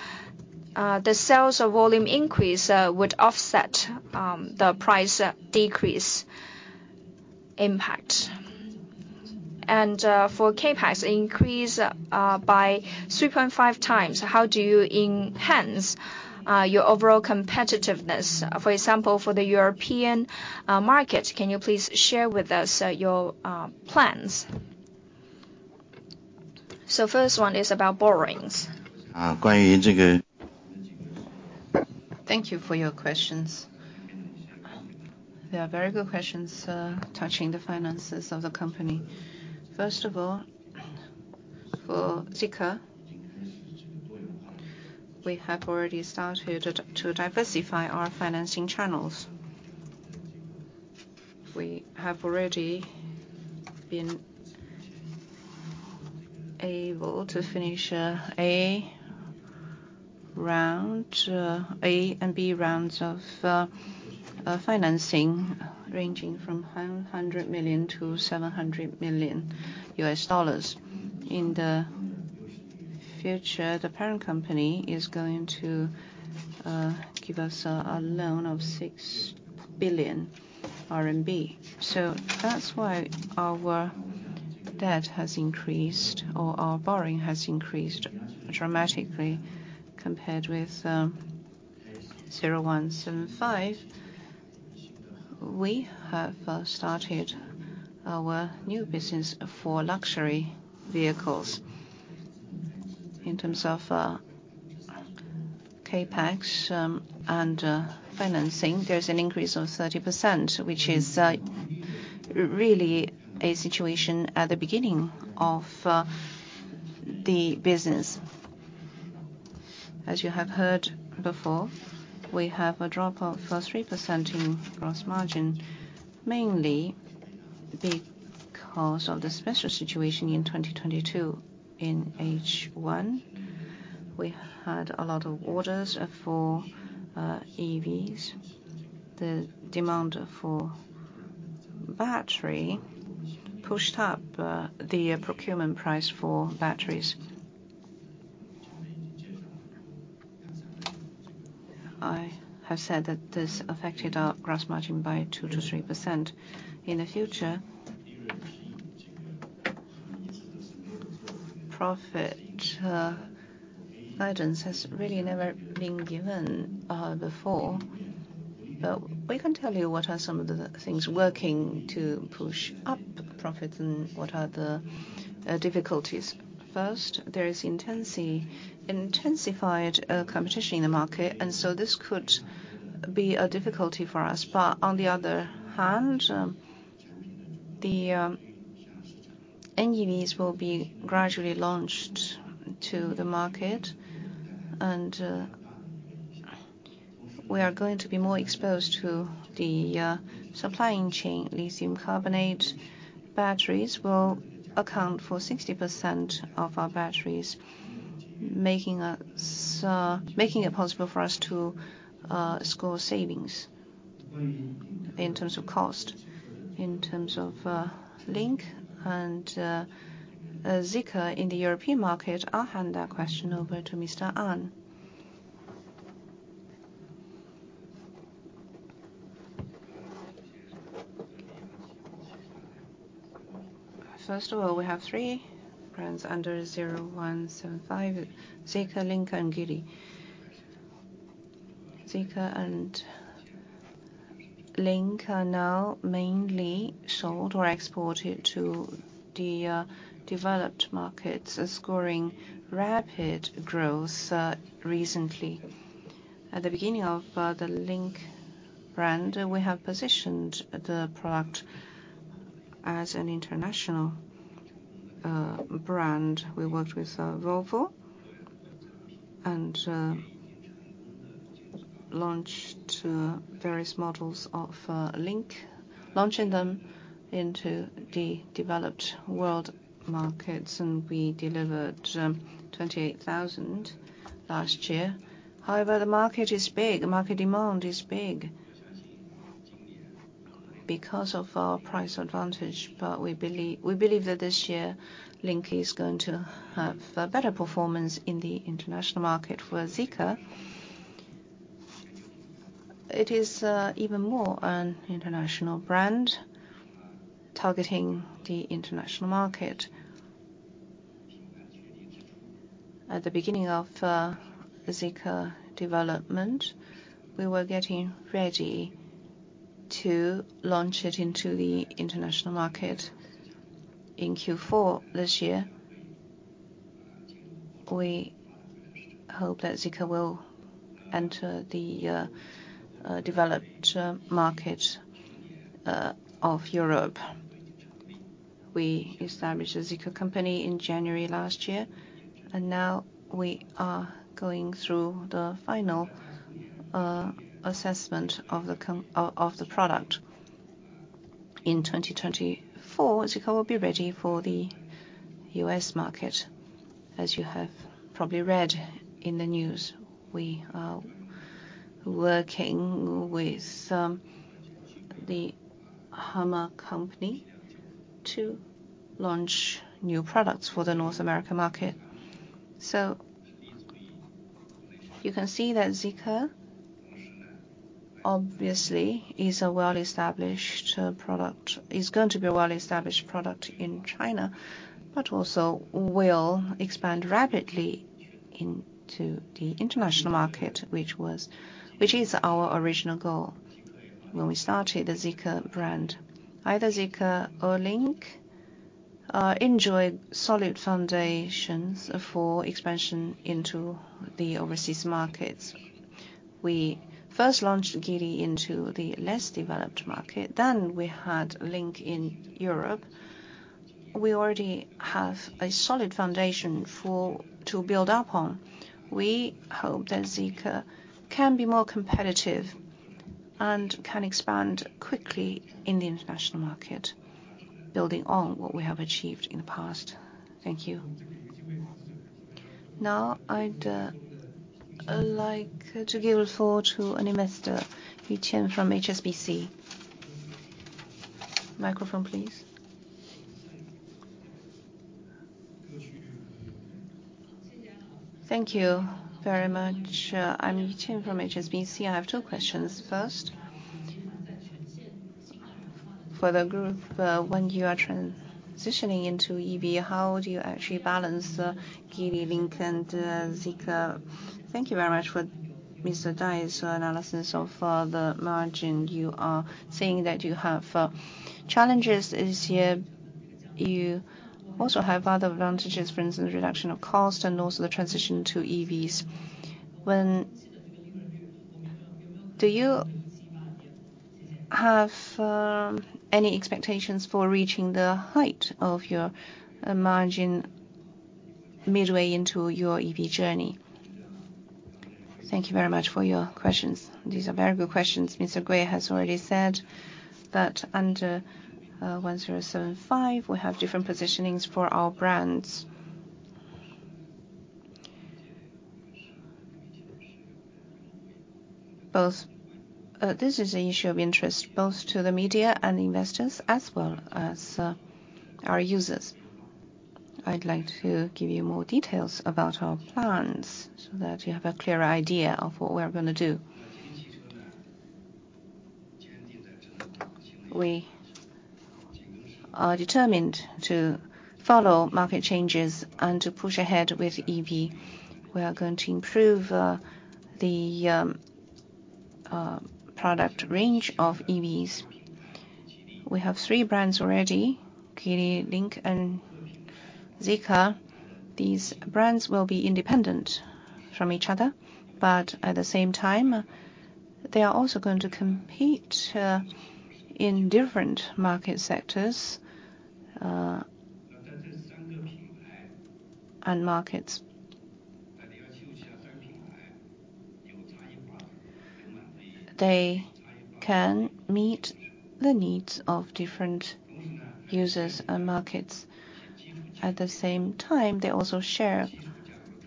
Speaker 5: the sales or volume increase would offset the price decrease impact? For CapEx increase by 3.5 times, how do you enhance your overall competitiveness? For example, for the European markets, can you please share with us your plans? First one is about borrowings.
Speaker 2: Thank you for your questions. They are very good questions, touching the finances of the company. First of all, for ZEEKR, we have already started to diversify our financing channels. We have already been able to finish Series A and Series B of financing ranging from 100 million to $700 million. In the future, the parent company is going to give us a loan of 6 billion RMB. That's why our debt has increased or our borrowing has increased dramatically compared with 0175. We have started our new business for luxury vehicles. In terms of CapEx and financing, there's an increase of 30%, which is really a situation at the beginning of the business. As you have heard before, we have a drop of 3% in gross margin, mainly because of the special situation in 2022. In H1, we had a lot of orders for EVs. The demand for battery pushed up the procurement price for batteries. I have said that this affected our gross margin by 2%-3%. In the future, profit guidance has really never been given before. We can tell you what are some of the things working to push up profits and what are the difficulties. First, there is intensified competition in the market, this could be a difficulty for us. On the other hand, the NEVs will be gradually launched to the market. We are going to be more exposed to the supplying chain. Lithium carbonate batteries will account for 60% of our batteries, making us, making it possible for us to score savings in terms of cost. In terms of Lynk and Zeekr in the European market, I'll hand that question over to Mr. An.
Speaker 6: First of all, we have three brands under 0175, Zeekr, Lynk, and Geely. Zeekr and Lynk are now mainly sold or exported to the developed markets, scoring rapid growth recently. At the beginning of the Lynk brand, we have positioned the product as an international brand. We worked with Volvo and launched various models of Lynk, launching them into the developed world markets, and we delivered 28,000 last year. However, the market is big, the market demand is big because of our price advantage. We believe that this year Lynk is going to have better performance in the international market. For Zeekr, it is even more an international brand targeting the international market. At the beginning of Zeekr development, we were getting ready to launch it into the international market. In Q4 this year, we hope that Zeekr will enter the developed market of Europe. We established the Zeekr company in January last year, and now we are going through the final assessment of the product. In 2024, Zeekr will be ready for the U.S. market. As you have probably read in the news, we are working with the Waymo company to launch new products for the North American market. You can see that Zeekr, obviously, is a well-established product, is going to be a well-established product in China, but also will expand rapidly into the international market, which was, which is our original goal when we started the Zeekr brand. Either Zeekr or Lynk enjoy solid foundations for expansion into the overseas markets. We first launched Geely into the less developed market, then we had Lynk in Europe. We already have a solid foundation for, to build up on. We hope that Zeekr can be more competitive and can expand quickly in the international market, building on what we have achieved in the past.
Speaker 1: Thank you. Now, I'd like to give the floor to an investor, Yu Tian from HSBC. Microphone, please.
Speaker 7: Thank you very much. I'm Yu Tian from HSBC. I have two questions. First, for the group, when you are transitioning into EV, how do you actually balance the Geely, Lynk, and Zeekr? Thank you very much for Mr. Dai's analysis of the margin. You are saying that you have challenges this year. You also have other advantages, for instance, reduction of cost and also the transition to EVs. Do you have any expectations for reaching the height of your margin midway into your EV journey?
Speaker 2: Thank you very much for your questions. These are very good questions. Mr. Gui has already said that under 0175, we have different positionings for our brands. This is an issue of interest both to the media and investors as well as our users. I'd like to give you more details about our plans so that you have a clearer idea of what we're gonna do. We are determined to follow market changes and to push ahead with EV. We are going to improve the product range of EVs. We have three brands already, Geely, Lynk, and Zeekr. These brands will be independent from each other, but at the same time, they are also going to compete in different market sectors and markets. They can meet the needs of different users and markets. At the same time, they also share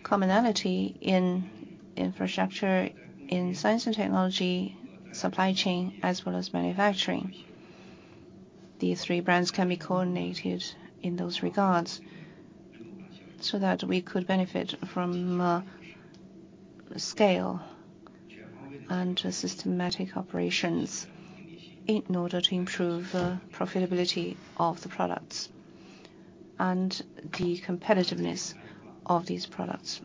Speaker 2: commonality in infrastructure, in science and technology, supply chain, as well as manufacturing. These three brands can be coordinated in those regards so that we could benefit from scale and systematic operations in order to improve the profitability of the products and the competitiveness of these products.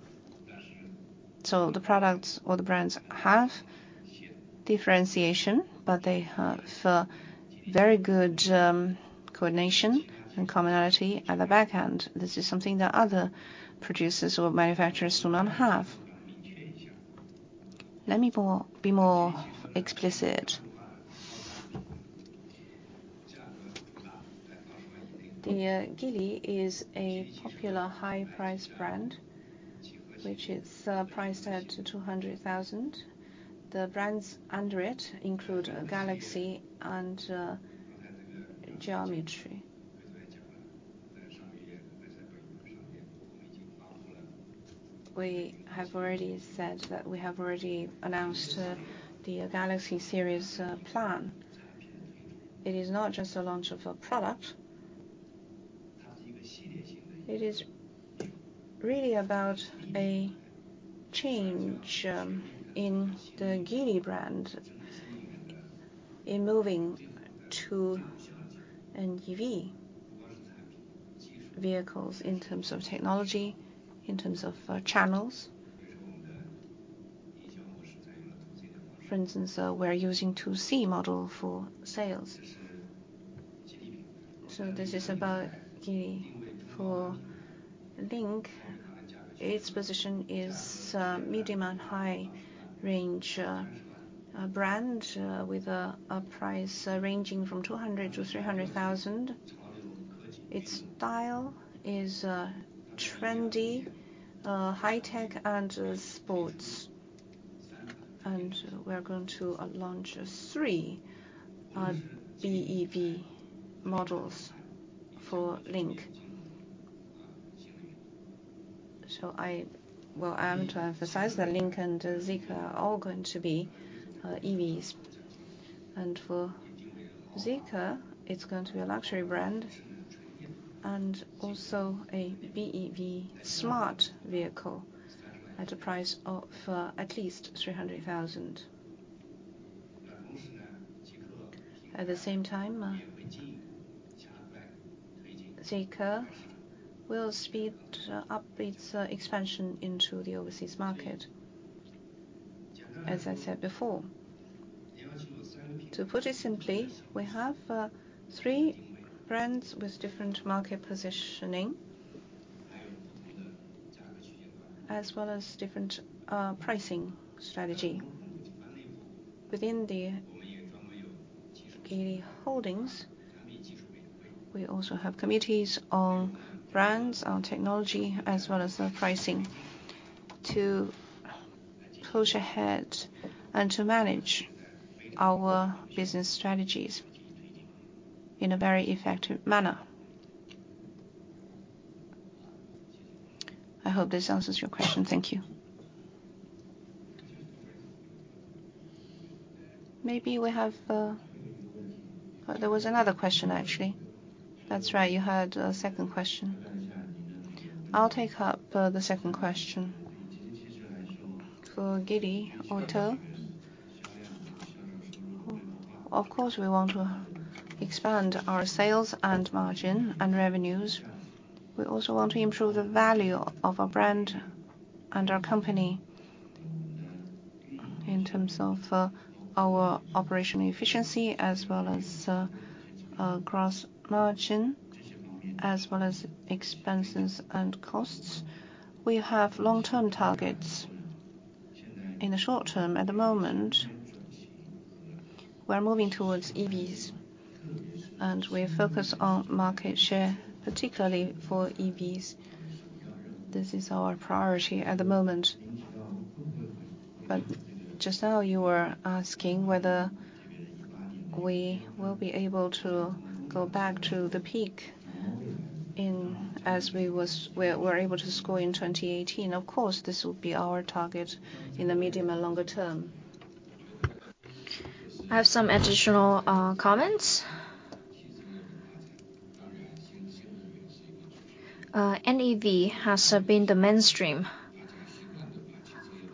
Speaker 2: The products or the brands have differentiation, but they have very good coordination and commonality at the back end. This is something that other producers or manufacturers do not have. Let me be more explicit. The Geely is a popular high-price brand, which is priced at 200,000. The brands under it include Galaxy and Geometry. We have already said that we have already announced the Galaxy series plan. It is not just a launch of a product. It is really about a change in the Geely brand in moving to an EV. Vehicles in terms of technology, in terms of channels. For instance, we're using 2C model for sales. This is about Geely. For Lynk, its position is medium and high range brand with a price ranging from 200,000-300,000. Its style is trendy, high-tech and sports. We are going to launch three BEV models for Lynk. Well, I'm to emphasize that Lynk and Zeekr are all going to be EVs. For Zeekr, it's going to be a luxury brand and also a BEV smart vehicle at a price of at least 300,000. At the same time, Zeekr will speed up its expansion into the overseas market, as I said before. To put it simply, we have three brands with different market positioning, as well as different pricing strategy. Within the Geely Holding Group, we also have committees on brands, on technology, as well as the pricing to push ahead and to manage our business strategies in a very effective manner. I hope this answers your question. Thank you.
Speaker 1: Maybe we have.
Speaker 3: Oh, there was another question, actually. That's right, you had a second question. I'll take up the second question. For Geely Automobile Group, of course, we want to expand our sales and margin and revenues. We also want to improve the value of our brand and our company in terms of our operational efficiency as well as gross margin, as well as expenses and costs. We have long-term targets. In the short-term, at the moment, we're moving towards EVs. We focus on market share, particularly for EVs. This is our priority at the moment. Just now you were asking whether we will be able to go back to the peak in as we were able to score in 2018. Of course, this will be our target in the medium and longer term.
Speaker 2: I have some additional comments. NEV has been the mainstream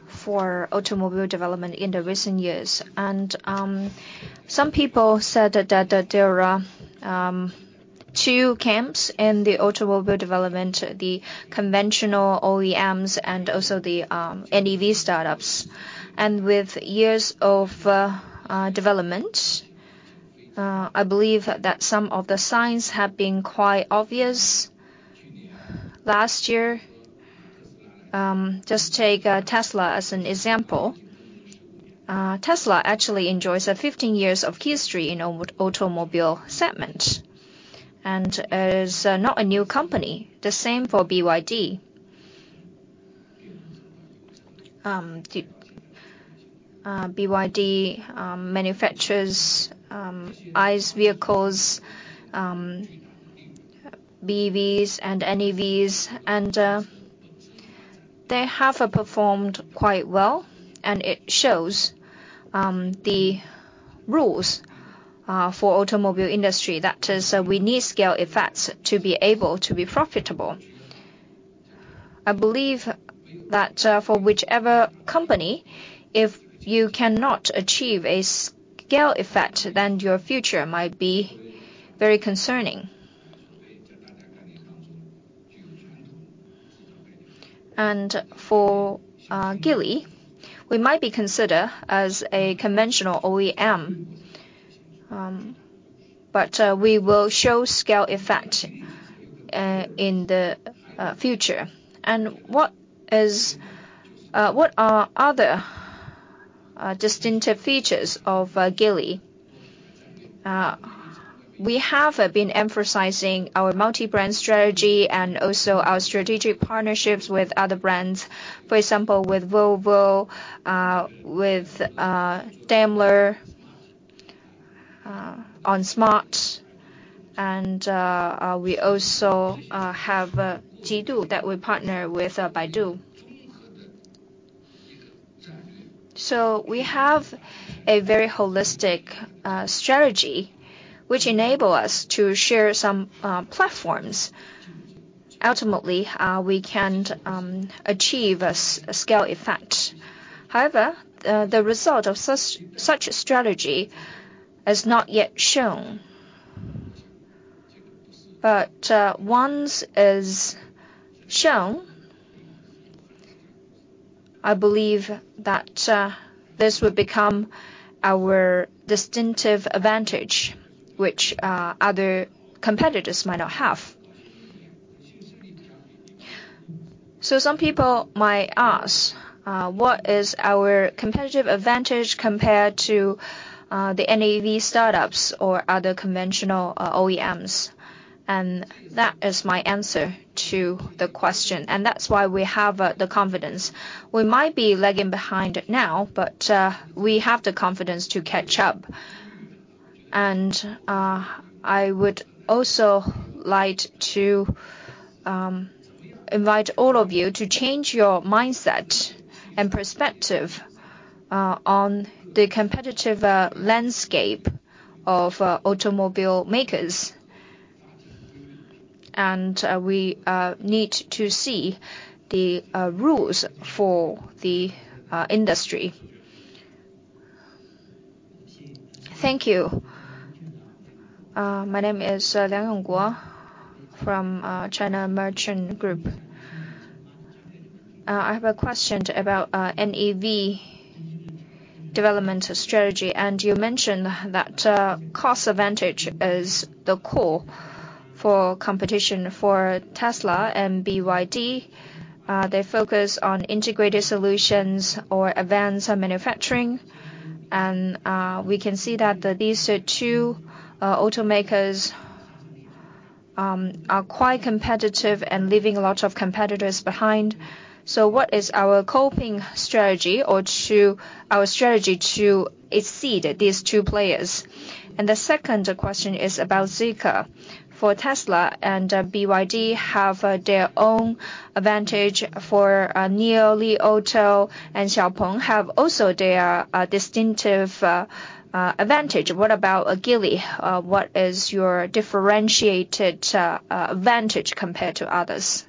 Speaker 2: for automobile development in the recent years. Some people said that there are two camps in the automobile development: the conventional OEMs and also the NEV startups. With years of development, I believe that some of the signs have been quite obvious. Last year, just take Tesla as an example-Tesla actually enjoys 15 years of history in automobile segment, and is not a new company. The same for BYD. The BYD manufactures ICE vehicles, BEVs and NEVs and they have performed quite well, and it shows the rules for automobile industry. That is, we need scale effects to be able to be profitable. I believe that, for whichever company, if you cannot achieve a scale effect, then your future might be very concerning. For Geely, we might be considered as a conventional OEM. We will show scale effect in the future. What are other distinctive features of Geely? We have been emphasizing our multi-brand strategy and also our strategic partnerships with other brands. For example, with Volvo, with Daimler, on smart and we also have Jidu that we partner with Baidu. We have a very holistic strategy which enable us to share some platforms. Ultimately, we can achieve a scale effect. The result of such strategy is not yet shown. Once is shown, I believe that this would become our distinctive advantage, which other competitors might not have. Some people might ask, what is our competitive advantage compared to the NEV startups or other conventional OEMs? That is my answer to the question, and that's why we have the confidence. We might be lagging behind now, but we have the confidence to catch up. I would also like to invite all of you to change your mindset and perspective on the competitive landscape of automobile makers. We need to see the rules for the industry. Thank you.
Speaker 8: My name is Liang Hong Guo from China Merchants Group. I have a question about NEV development strategy. You mentioned that cost advantage is the core for competition for Tesla and BYD. They focus on integrated solutions or advanced manufacturing. We can see that these are two automakers are quite competitive and leaving a lot of competitors behind. What is our coping strategy or our strategy to exceed these two players? The second question is about Zeekr. Tesla and BYD have their own advantage. NIO, Li Auto and XPeng have also their distinctive advantage. What about Geely? What is your differentiated advantage compared to others?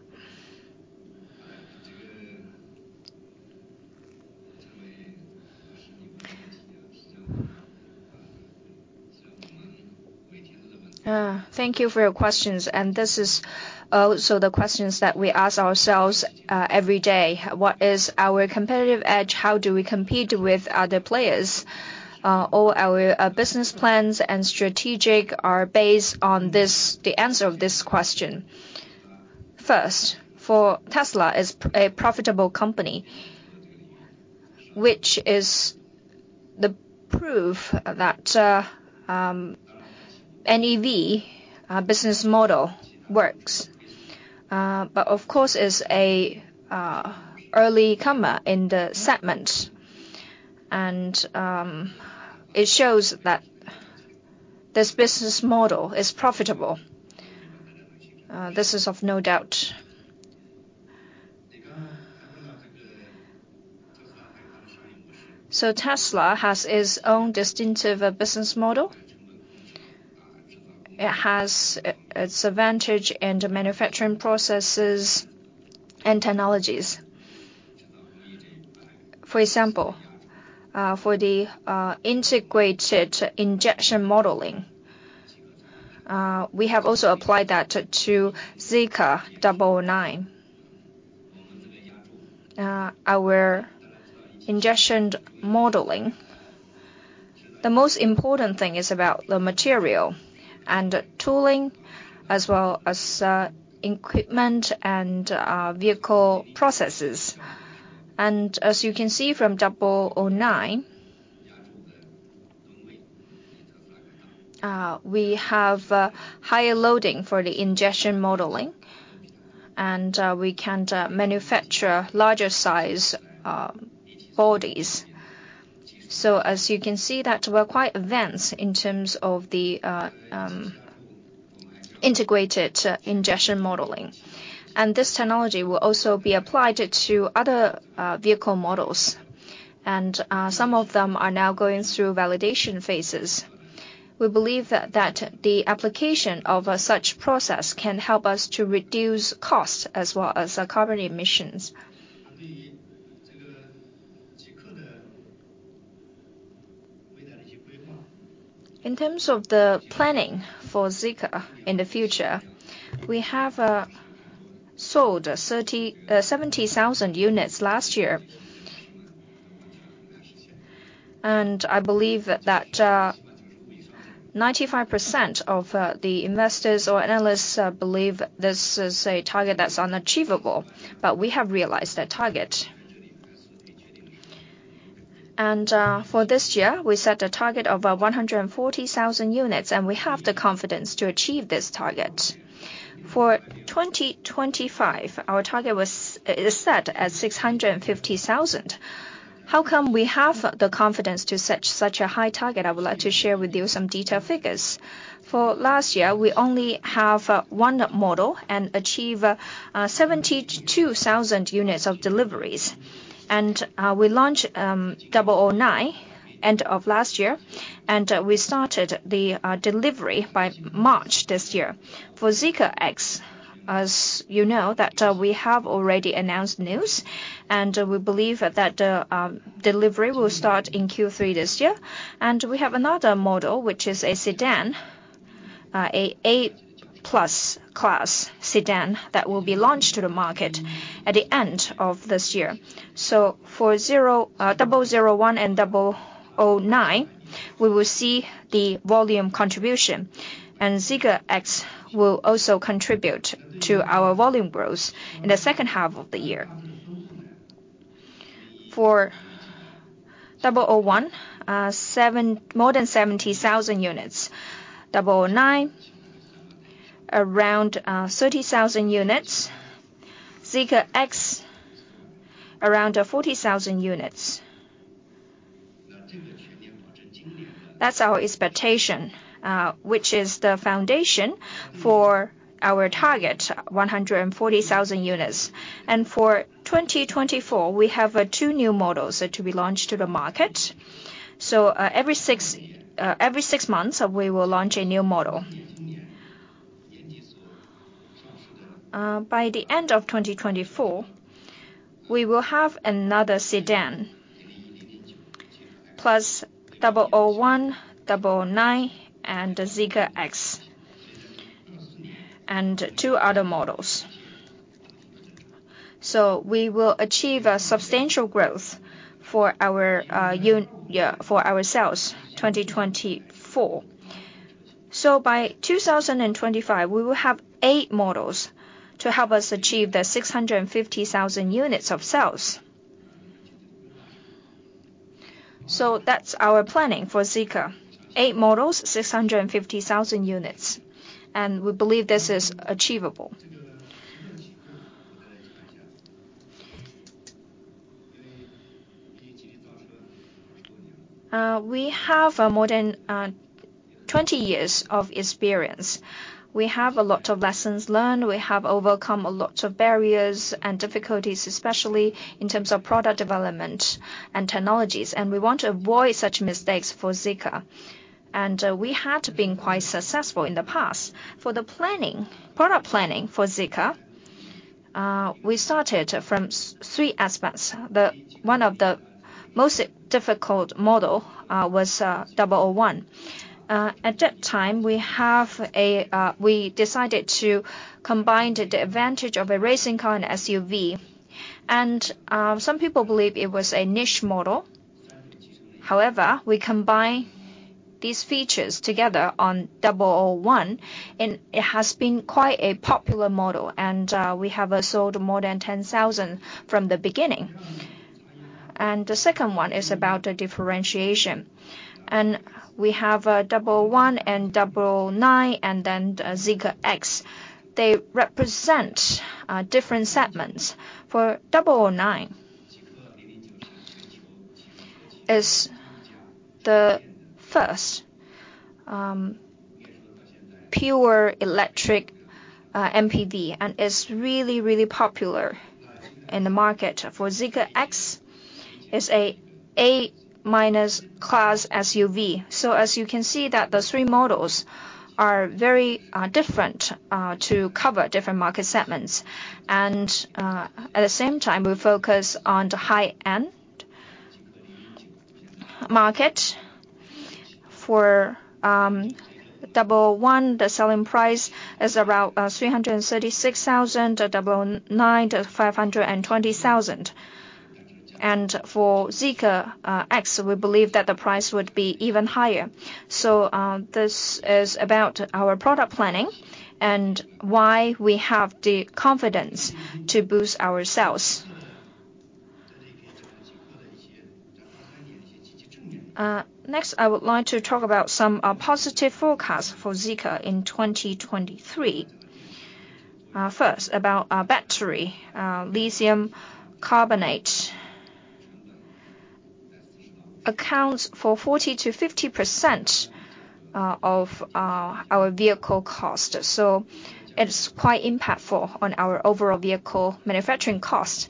Speaker 2: Thank you for your questions, and this is also the questions that we ask ourselves every day. What is our competitive edge? How do we compete with other players? All our business plans and strategic are based on this, the answer of this question. First, for Tesla is a profitable company, which is the proof that NEV business model works. Of course is an early comer in the segment. It shows that this business model is profitable. This is of no doubt. Tesla has its own distinctive business model. It has its advantage and manufacturing processes and technologies. For example, for the integrated injection modeling, we have also applied that to Zeekr 009. The most important thing is about the material and tooling, as well as, equipment and vehicle processes. As you can see from 009, we have higher loading for the integrated die casting, and we can manufacture larger size bodies. As you can see that we're quite advanced in terms of the integrated die casting. This technology will also be applied to other vehicle models. Some of them are now going through validation phases. We believe that the application of a such process can help us to reduce costs as well as our carbon emissions. In terms of the planning for Zeekr in the future, we have sold 70,000 units last year. I believe that 95% of the investors or analysts believe this is a target that's unachievable, but we have realized that target. For this year, we set a target of 140,000 units, we have the confidence to achieve this target. For 2025, our target is set at 650,000. How come we have the confidence to set such a high target? I would like to share with you some detailed figures. For last year, we only have one model and achieve 72,000 units of deliveries. We launched Zeekr 009 end of last year, we started the delivery by March this year. For Zeekr X, as you know, that we have already announced news, and we believe that the delivery will start in Q3 this year. We have another model, which is a sedan, A8 plus class sedan that will be launched to the market at the end of this year. For 001 and 009, we will see the volume contribution, and Zeekr X will also contribute to our volume growth in the second half of the year. For 001, more than 70,000 units. 009, around 30,000 units. Zeekr X, around 40,000 units. That's our expectation, which is the foundation for our target, 140,000 units. For 2024, we have 2 new models to be launched to the market. Every six months, we will launch a new model. By the end of 2024, we will have another sedan, plus Zeekr 001, Zeekr 009, and the Zeekr X, and two other models. We will achieve a substantial growth for our sales, 2024. By 2025, we will have eight models to help us achieve the 650,000 units of sales. That's our planning for Zeekr. eight models, 650,000 units, and we believe this is achievable. We have more than 20 years of experience. We have a lot of lessons learned. We have overcome a lot of barriers and difficulties, especially in terms of product development and technologies, and we want to avoid such mistakes for Zeekr. We had been quite successful in the past. For the planning, product planning for Zeekr, we started from three aspects. One of the most difficult model was 001. At that time, we have we decided to combine the advantage of a racing car and SUV. Some people believe it was a niche model. However, we combine these features together on 001, and it has been quite a popular model, and we have sold more than 10,000 from the beginning. The second one is about the differentiation. We have 001 and 009, and then the Zeekr X. They represent different segments. For 009 is the first pure electric MPV, and it's really, really popular in the market. For Zeekr X, it's a A0-class SUV. As you can see that the three models are very different to cover different market segments. At the same time, we focus on the high-end market for Zeekr 001, the selling price is about 336,000. The Zeekr 009 to RMB 520,000. For Zeekr X, we believe that the price would be even higher. This is about our product planning and why we have the confidence to boost our sales. Next, I would like to talk about some positive forecasts for Zeekr in 2023. First, about our battery. Lithium carbonate accounts for 40%-50% of our vehicle cost. It's quite impactful on our overall vehicle manufacturing cost.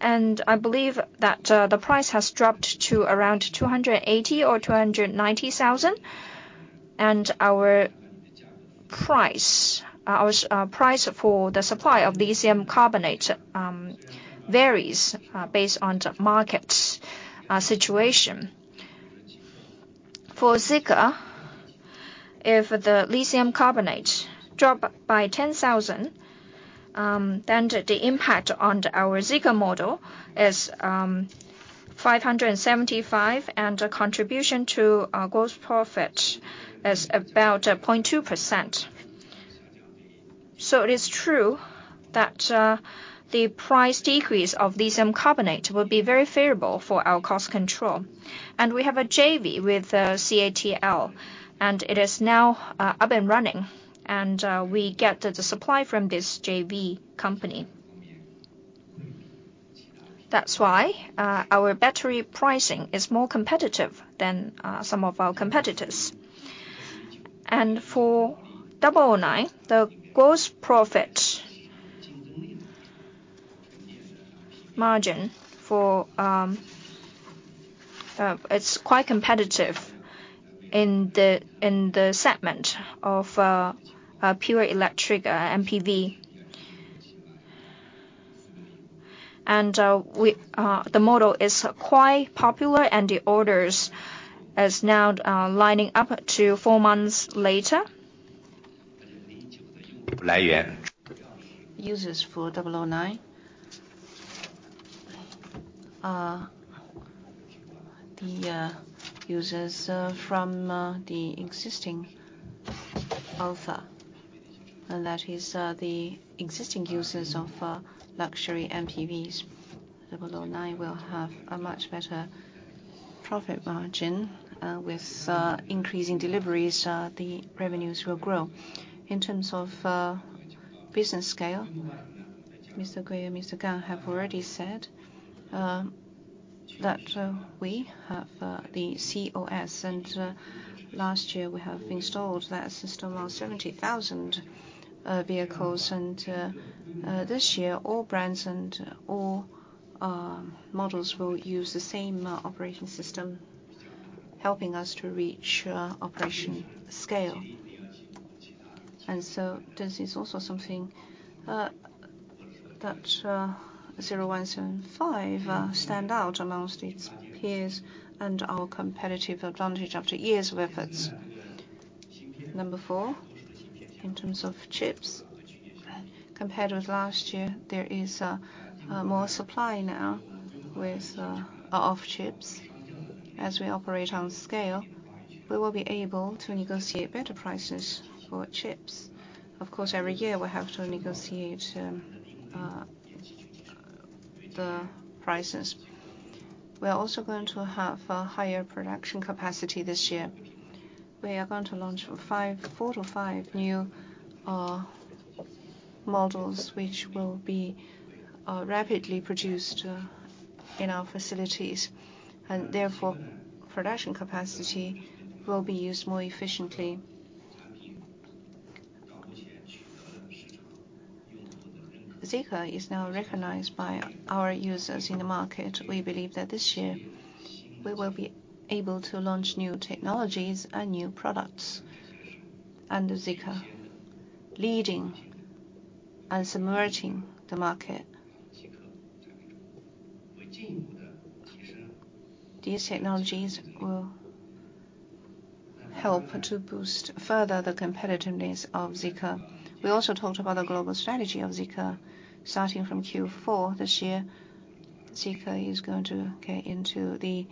Speaker 2: I believe that the price has dropped to around 280,000 or 290,000. Our price for the supply of lithium carbonate varies based on the market situation. For Zeekr, if the lithium carbonate drop by 10,000, then the impact on our Zeekr model is 575, and a contribution to our gross profit is about 0.2%. It is true that the price decrease of lithium carbonate will be very favorable for our cost control. We have a JV with CATL, it is now up and running, we get the supply from this JV company. That's why our battery pricing is more competitive than some of our competitors. For 009, the gross profit margin for, it's quite competitive in the segment of pure electric MPV. The model is quite popular, and the orders is now, lining up to four months later. Users for 009 are the users from the existing Alphard, and that is the existing users of luxury MPVs. 009 will have a much better profit margin. With increasing deliveries, the revenues will grow. In terms of business scale, Mr. Gui and An Conghui have already said that we have the COS. Last year we have installed that system on 70,000 vehicles. This year, all brands and all models will use the same operating system, helping us to reach operation scale. This is also something that 0175 stand out amongst its peers and our competitive advantage after years of efforts. Four. In terms of chips, compared with last year, there is more supply now with of chips. As we operate on scale, we will be able to negotiate better prices for chips. Of course, every year we have to negotiate the prices. We are also going to have a higher production capacity this year. We are going to launch four to five new models, which will be rapidly produced in our facilities. Therefore, production capacity will be used more efficiently. Zeekr is now recognized by our users in the market. We believe that this year we will be able to launch new technologies and new products under Zeekr, leading and submerging the market. These technologies will help to boost further the competitiveness of Zeekr. We also talked about the global strategy of Zeekr. Starting from Q4 this year, Zeekr is going to get into the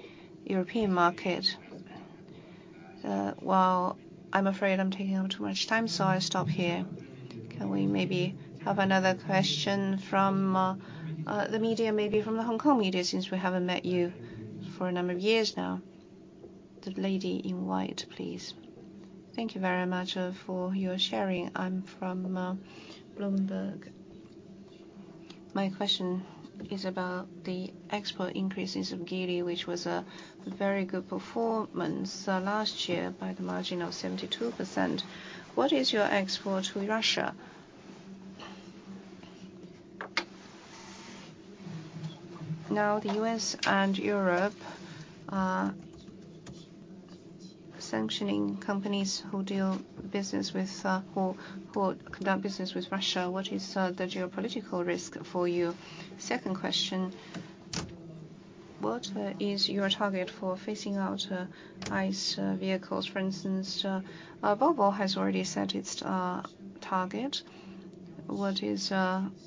Speaker 2: European market. Well, I'm afraid I'm taking up too much time. I stop here.
Speaker 1: Can we maybe have another question from the media, maybe from the Hong Kong media, since we haven't met you for a number of years now? The lady in white, please.
Speaker 9: Thank you very much for your sharing. I'm from Bloomberg. My question is about the export increases of Geely, which was a very good performance last year by the margin of 72%. What is your export to Russia? Now, the U.S. and Europe are sanctioning companies who deal business with or who conduct business with Russia. What is the geopolitical risk for you? Second question. What is your target for phasing out ICE vehicles? For instance, Volvo has already set its target. What is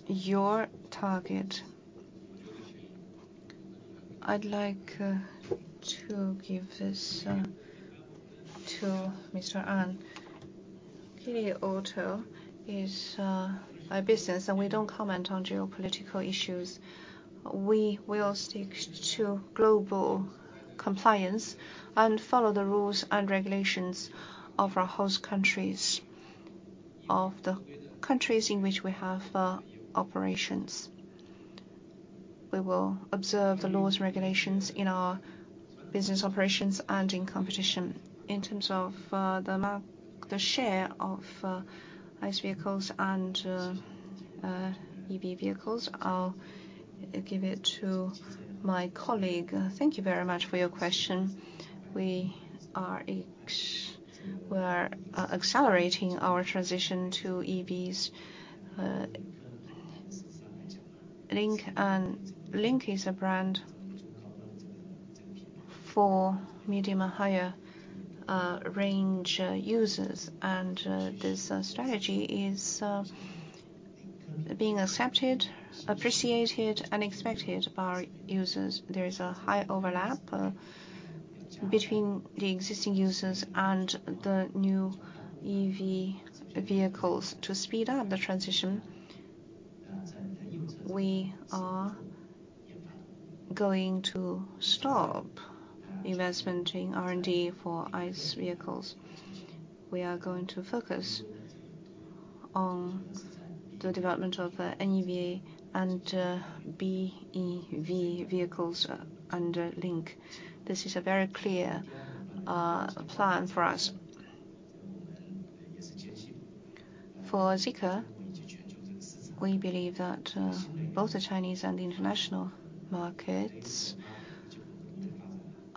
Speaker 9: your target?
Speaker 2: I'd like to give this to Mr. An. Geely Auto is a business and we don't comment on geopolitical issues. We will stick to global compliance and follow the rules and regulations of our host countries, of the countries in which we have operations. We will observe the laws and regulations in our business operations and in competition. In terms of the share of ICE vehicles and EV vehicles, I'll give it to my colleague.
Speaker 6: Thank you very much for your question. We are accelerating our transition to EVs. Lynk & Co is a brand for medium or higher range users and this strategy is being accepted, appreciated, and expected by users. There is a high overlap between the existing users and the new EV vehicles. To speed up the transition, we are going to stop investment in R&D for ICE vehicles. We are going to focus on the development of NEV and BEV vehicles under Lynk. This is a very clear plan for us. For Zeekr, we believe that both the Chinese and the international markets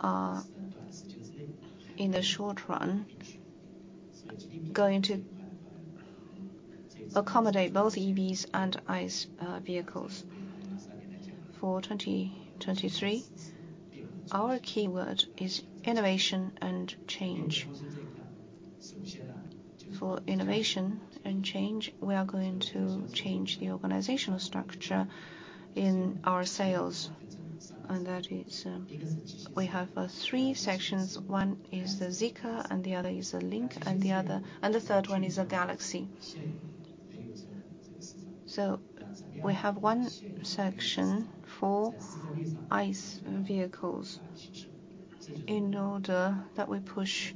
Speaker 6: are, in the short run, going to accommodate both EVs and ICE vehicles. For 2023, our keyword is innovation and change. For innovation and change, we are going to change the organizational structure in our sales, and that is... We have three sections. One is the Zeekr, and the other is the Lynk, and the third one is the Galaxy. We have one section for ICE vehicles in order that we push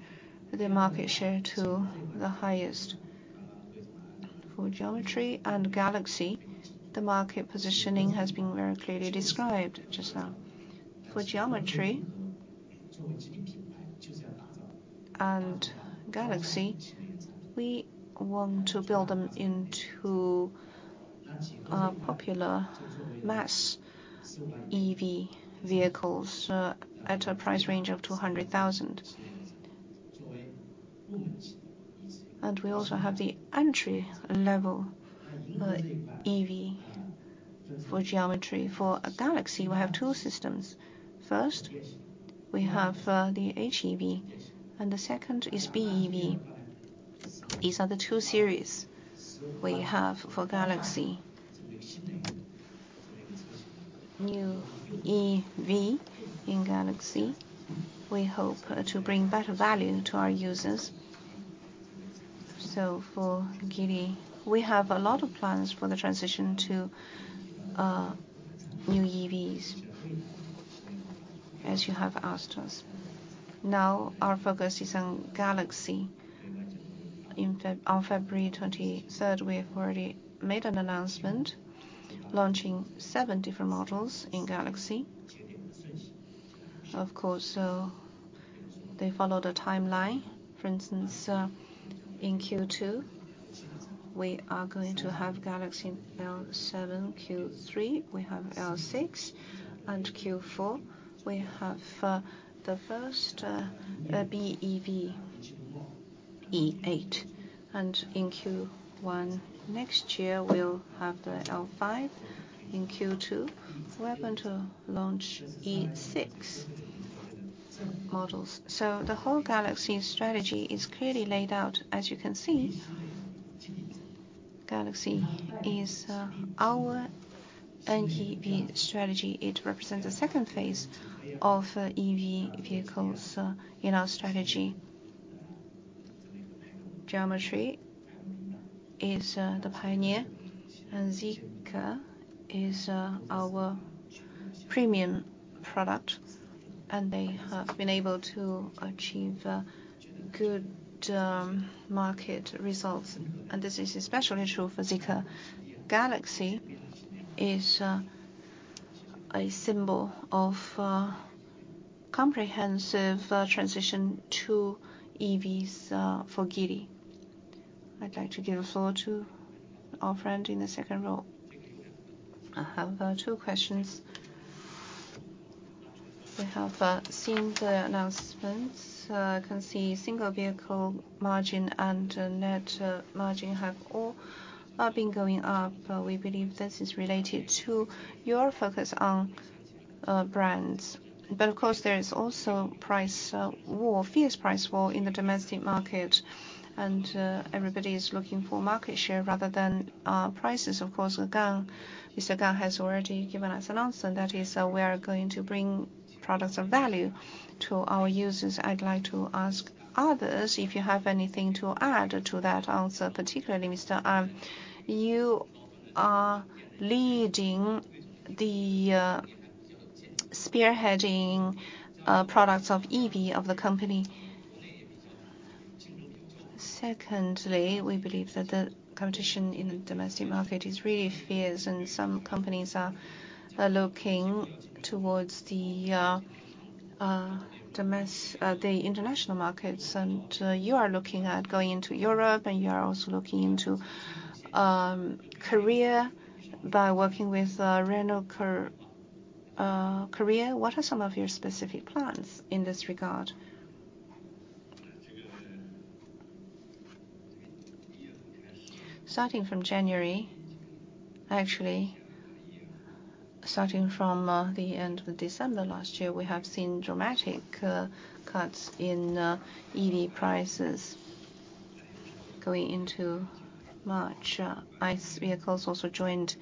Speaker 6: the market share to the highest. For Geometry and Galaxy, the market positioning has been very clearly described just now. For Geometry and Galaxy, we want to build them into popular mass EV vehicles, at a price range of 200,000. We also have the entry-level EV for Geometry. For Galaxy, we have two systems. First, we have the HEV, and the second is BEV. These are the two series we have for Galaxy. New EV in Galaxy, we hope to bring better value to our users. For Geely, we have a lot of plans for the transition to new EVs, as you have asked us. Now, our focus is on Galaxy. On February 23rd, we have already made an announcement launching seven different models in Galaxy. Of course, they follow the timeline. For instance, in Q2, we are going to have Galaxy L7. Q3, we have L6. Q4, we have the first BEV, E8. In Q1 next year, we'll have the L5. In Q2, we are going to launch E6 models. The whole Galaxy strategy is clearly laid out, as you can see. Galaxy is our NEV strategy. It represents the second phase of EV vehicles in our strategy. Geometry is the pioneer, and Zeekr is our premium product, and they have been able to achieve good market results. This is especially true for Zeekr. Galaxy is a symbol of comprehensive transition to EVs for Geely.
Speaker 1: I'd like to give the floor to our friend in the second row.
Speaker 5: I have two questions.
Speaker 10: We have seen the announcements. Can see single vehicle margin and net margin have all been going up. We believe this is related to your focus on brands. Of course there is also price war, fierce price war in the domestic market, and everybody is looking for market share rather than prices. Of course, An Conghui has already given us an answer, and that is, we are going to bring products of value to our users. I'd like to ask others if you have anything to add to that answer. Particularly Mr. An, you are leading the spearheading products of EV of the company. Secondly, we believe that the competition in the domestic market is really fierce, and some companies are looking towards the international markets. You are looking at going into Europe, and you are also looking into Korea by working with Renault Korea. What are some of your specific plans in this regard?
Speaker 2: Starting from January. Actually, starting from the end of December last year, we have seen dramatic cuts in EV prices. Going into March, ICE vehicles also joined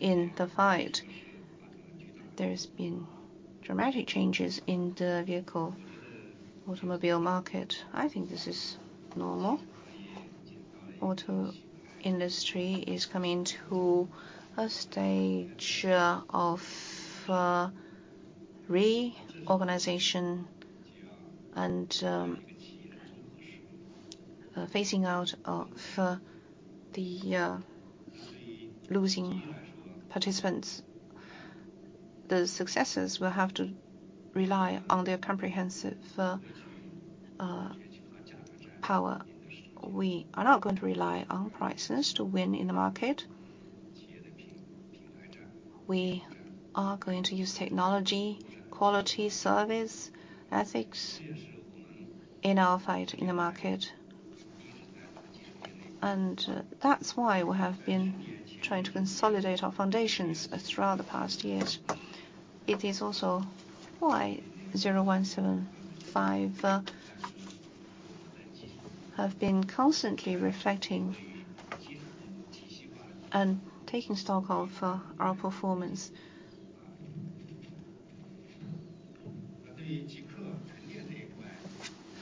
Speaker 2: in the fight. There's been dramatic changes in the vehicle automobile market. I think this is normal. Auto industry is coming to a stage of reorganization and phasing out of the losing participants. The successors will have to rely on their comprehensive power. We are not going to rely on prices to win in the market. We are going to use technology, quality, service, ethics in our fight in the market. That's why we have been trying to consolidate our foundations throughout the past years. It is also why 0175 have been constantly reflecting and taking stock of our performance.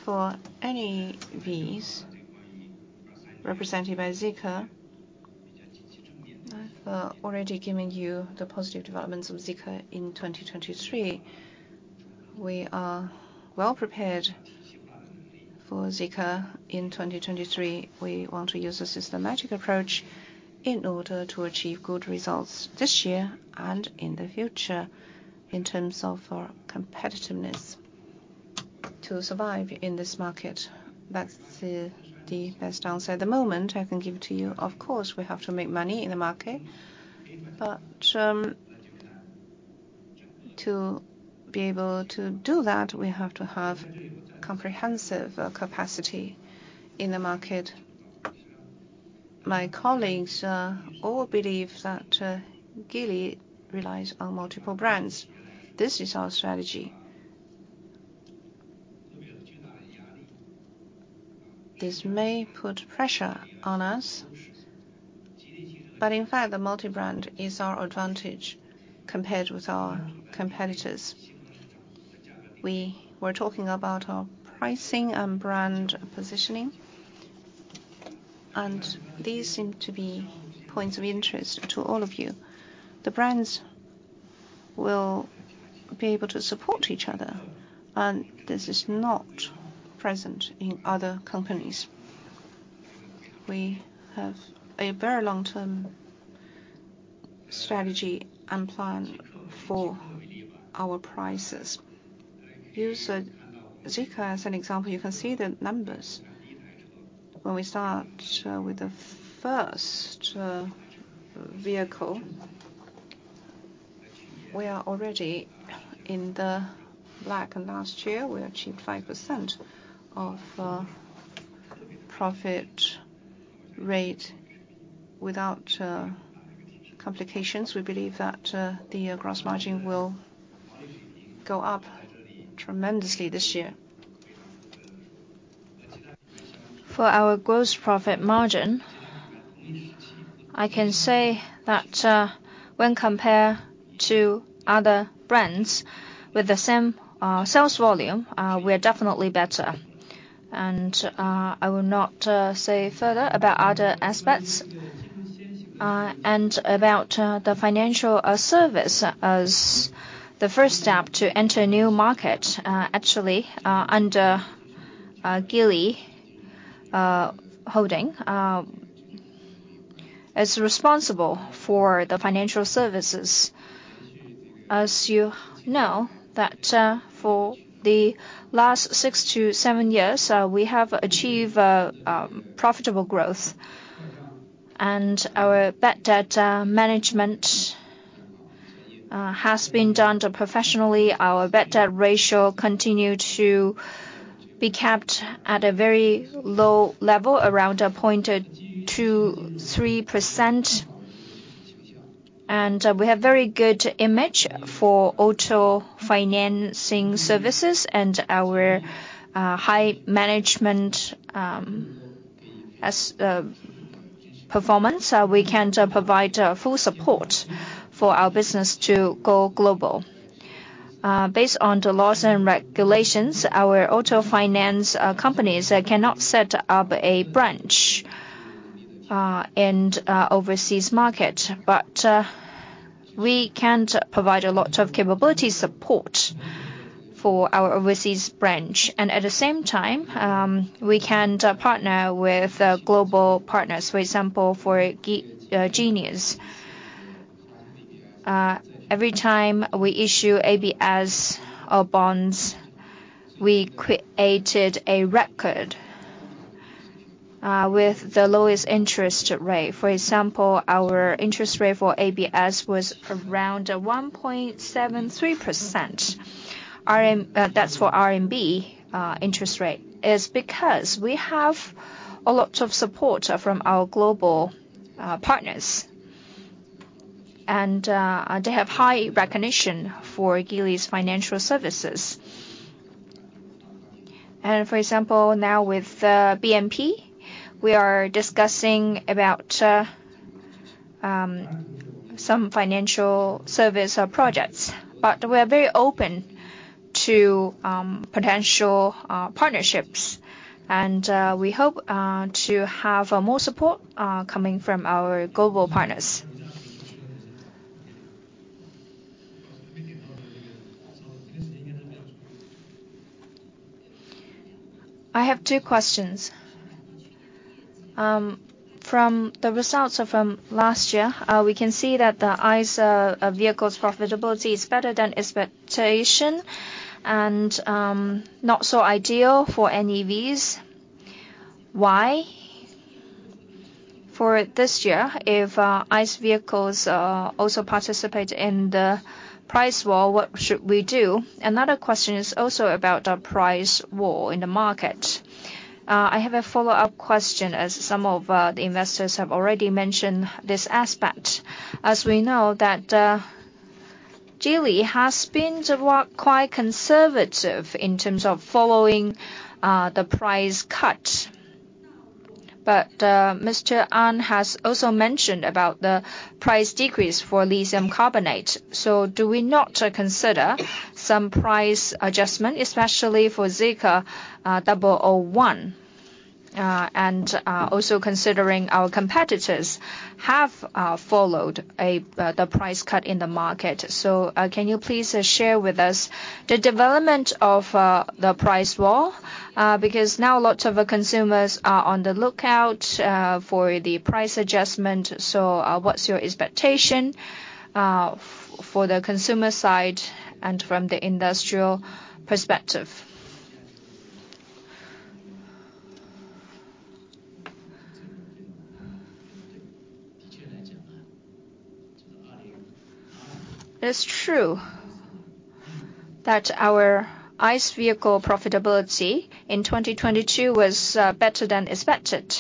Speaker 2: For NEVs, represented by Zeekr, I've already given you the positive developments of Zeekr in 2023. We are well prepared for Zeekr in 2023. We want to use a systematic approach in order to achieve good results this year and in the future in terms of our competitiveness to survive in this market. That's the best answer at the moment I can give to you. Of course, we have to make money in the market, but to be able to do that, we have to have comprehensive capacity in the market. My colleagues all believe that Geely relies on multiple brands. This is our strategy. This may put pressure on us. In fact, the multi-brand is our advantage compared with our competitors. We were talking about our pricing and brand positioning. These seem to be points of interest to all of you. The brands will be able to support each other. This is not present in other companies. We have a very long-term strategy and plan for our prices. Use Zeekr as an example. You can see the numbers. When we start with the first vehicle, we are already in the black. Last year we achieved 5% of profit rate without complications. We believe that the gross margin will go up tremendously this year.
Speaker 3: For our gross profit margin, I can say that, when compared to other brands with the same sales volume, we're definitely better. I will not say further about other aspects. About the financial service as the first step to enter a new market, actually, under Geely Holding, is responsible for the financial services. As you know, that for the last six to seven years, we have achieved profitable growth. Our bad debt management has been done professionally. Our bad debt ratio continued to be capped at a very low level, around 0.23%. We have very good image for auto financing services and our high management as performance. We can provide full support for our business to go global. Based on the laws and regulations, our auto finance companies cannot set up a branch in overseas market. We can provide a lot of capability support for our overseas branch. At the same time, we can partner with global partners, for example, for Genius. Every time we issue ABS or bonds, we created a record with the lowest interest rate. For example, our interest rate for ABS was around 1.73%. That's for RMB interest rate. Is because we have a lot of support from our global partners. They have high recognition for Geely's financial services. For example now with BNP, we are discussing about some financial service projects. We're very open to potential partnerships. We hope to have more support coming from our global partners.
Speaker 11: I have two questions. From the results from last year, we can see that the ICE vehicle's profitability is better than expectation and not so ideal for NEVs. Why? For this year, if ICE vehicles also participate in the price war, what should we do? Another question is also about the price war in the market. I have a follow-up question as some of the investors have already mentioned this aspect. As we know that Geely has been the quite conservative in terms of following the price cut. Mr. An has also mentioned about the price decrease for lithium carbonate. Do we not consider some price adjustment, especially for Zeekr 001?
Speaker 1: Also considering our competitors have followed the price cut in the market. Can you please share with us the development of the price war? Because now lots of our consumers are on the lookout for the price adjustment. What's your expectation for the consumer side and from the industrial perspective?
Speaker 2: It's true that our ICE vehicle profitability in 2022 was better than expected.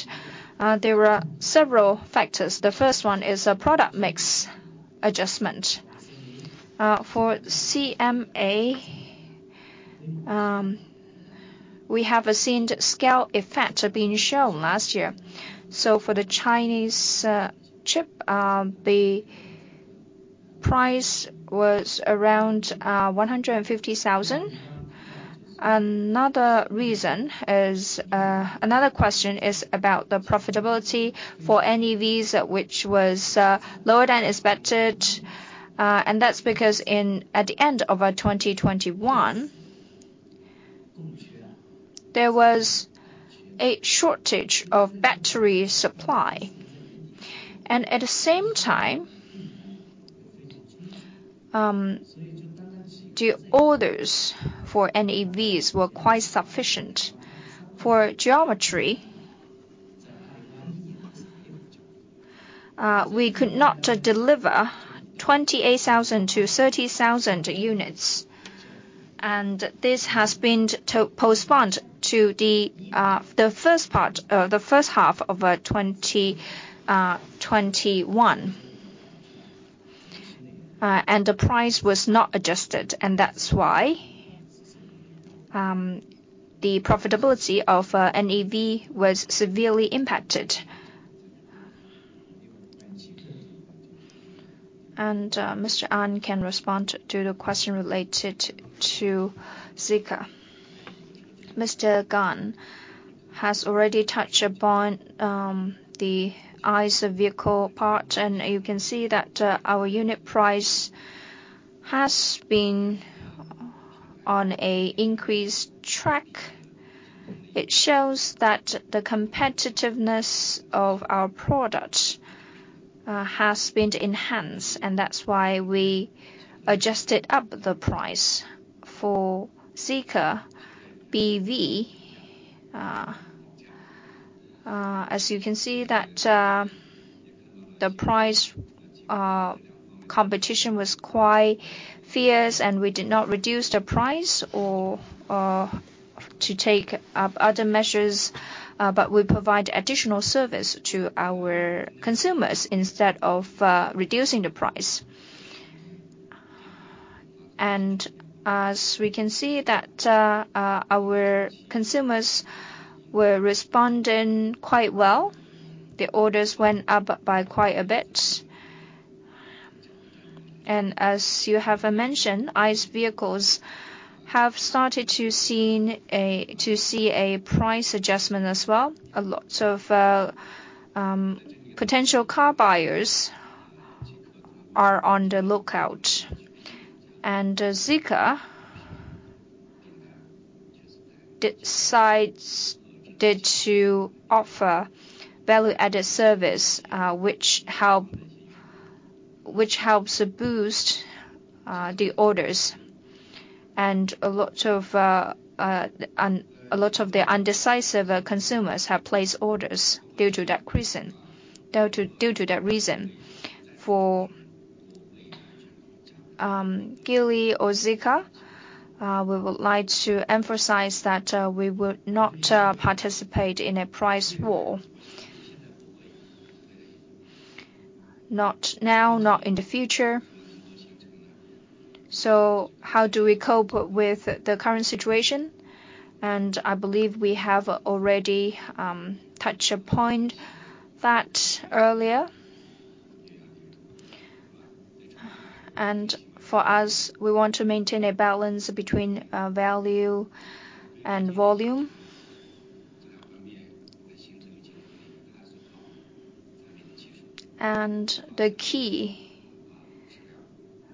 Speaker 2: There were several factors. The first one is a product mix adjustment. For CMA, we have a seen scale effect being shown last year. For the Chinese chip, the price was around 150,000. Another reason is, another question is about the profitability for NEVs, which was lower than expected. That's because at the end of 2021, there was a shortage of battery supply. At the same time, the orders for NEVs were quite sufficient. For Geometry, we could not deliver 28,000 to 30,000 units, and this has been postponed to the first half of 2021. The price was not adjusted, and that's why the profitability of NEV was severely impacted. Mr. An can respond to the question related to Zeekr.
Speaker 6: Mr. Dai has already touched upon the ICE vehicle part, and you can see that our unit price has been on a increased track. It shows that the competitiveness of our products has been enhanced, and that's why we adjusted up the price for Zeekr BEV. As you can see that, the price competition was quite fierce. We did not reduce the price or to take up other measures. We provide additional service to our consumers instead of reducing the price. As we can see that, our consumers were responding quite well. The orders went up by quite a bit. As you have mentioned, ICE vehicles have started to see a price adjustment as well. A lot of potential car buyers are on the lookout. Zeekr decides to offer value-added service, which helps boost the orders. A lot of the indecisive consumers have placed orders due to that reason. For Geely or Zeekr, we would like to emphasize that we would not participate in a price war. Not now, not in the future. How do we cope with the current situation? I believe we have already touched a point that earlier. For us, we want to maintain a balance between value and volume. The key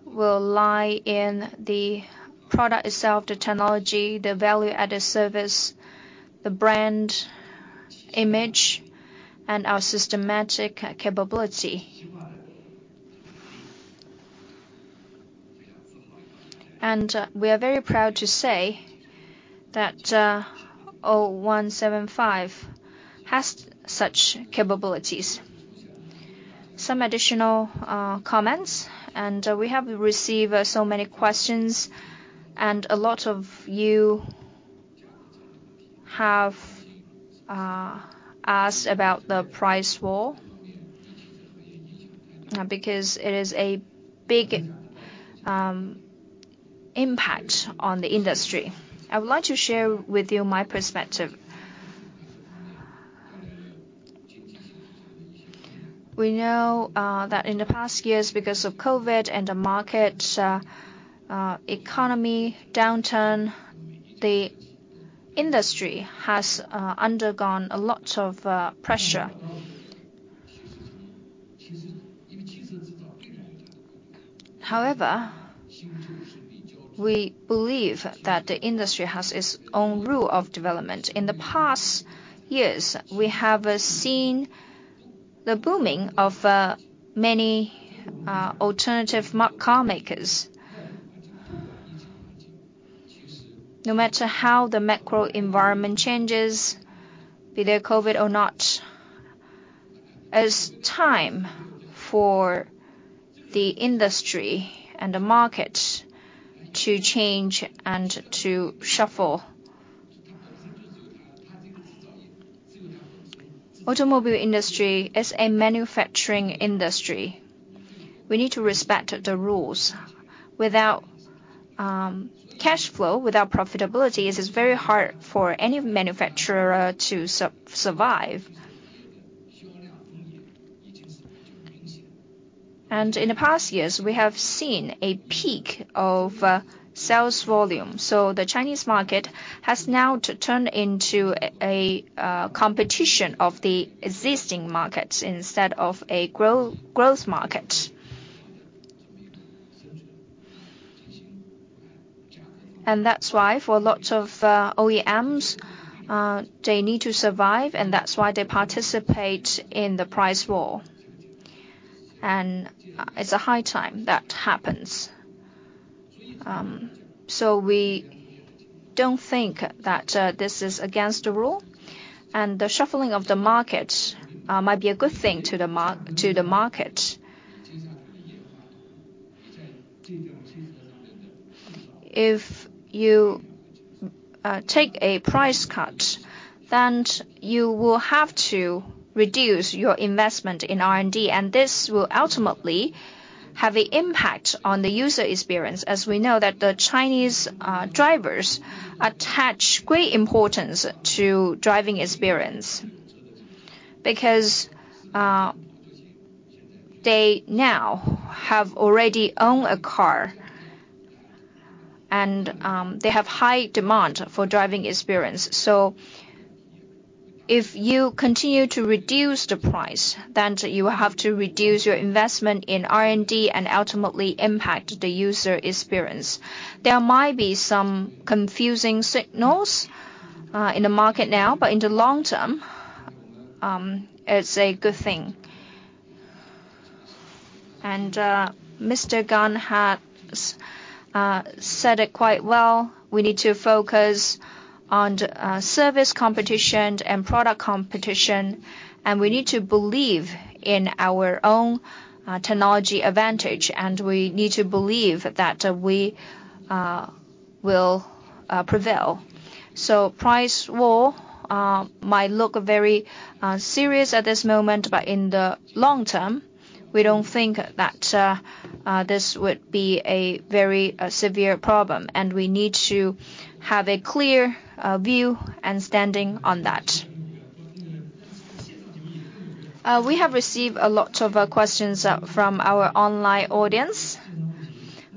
Speaker 6: will lie in the product itself, the technology, the value-added service, the brand image, and our systematic capability. We are very proud to say that 0175 has such capabilities. Some additional comments, and we have received so many questions, and a lot of you have asked about the price war, because it is a big impact on the industry. I would like to share with you my perspective. We know that in the past years, because of COVID and the market economy downturn, the industry has undergone a lot of pressure. However, we believe that the industry has its own rule of development. In the past years, we have seen the booming of many alternative carmakers. No matter how the macro environment changes, be there COVID or not, it's time for the industry and the market to change and to shuffle. Automobile industry is a manufacturing industry. We need to respect the rules. Without cash flow, without profitability, it is very hard for any manufacturer to survive. In the past years, we have seen a peak of sales volume. The Chinese market has now turned into a competition of the existing markets instead of a growth market. That's why for lots of OEMs, they need to survive, and that's why they participate in the price war. It's a high time that happens. We don't think that this is against the rule, and the shuffling of the market might be a good thing to the market. If you take a price cut, you will have to reduce your investment in R&D, and this will ultimately have a impact on the user experience, as we know that the Chinese drivers attach great importance to driving experience. They now have already own a car and they have high demand for driving experience. If you continue to reduce the price, you have to reduce your investment in R&D and ultimately impact the user experience. There might be some confusing signals in the market now, in the long term, it's a good thing. Mr. Dai has said it quite well. We need to focus on the service competition and product competition, we need to believe in our own technology advantage, we need to believe that we will prevail. Price war might look very serious at this moment, in the long term, we don't think that this would be a very severe problem, we need to have a clear view and standing on that.
Speaker 1: We have received a lot of questions from our online audience.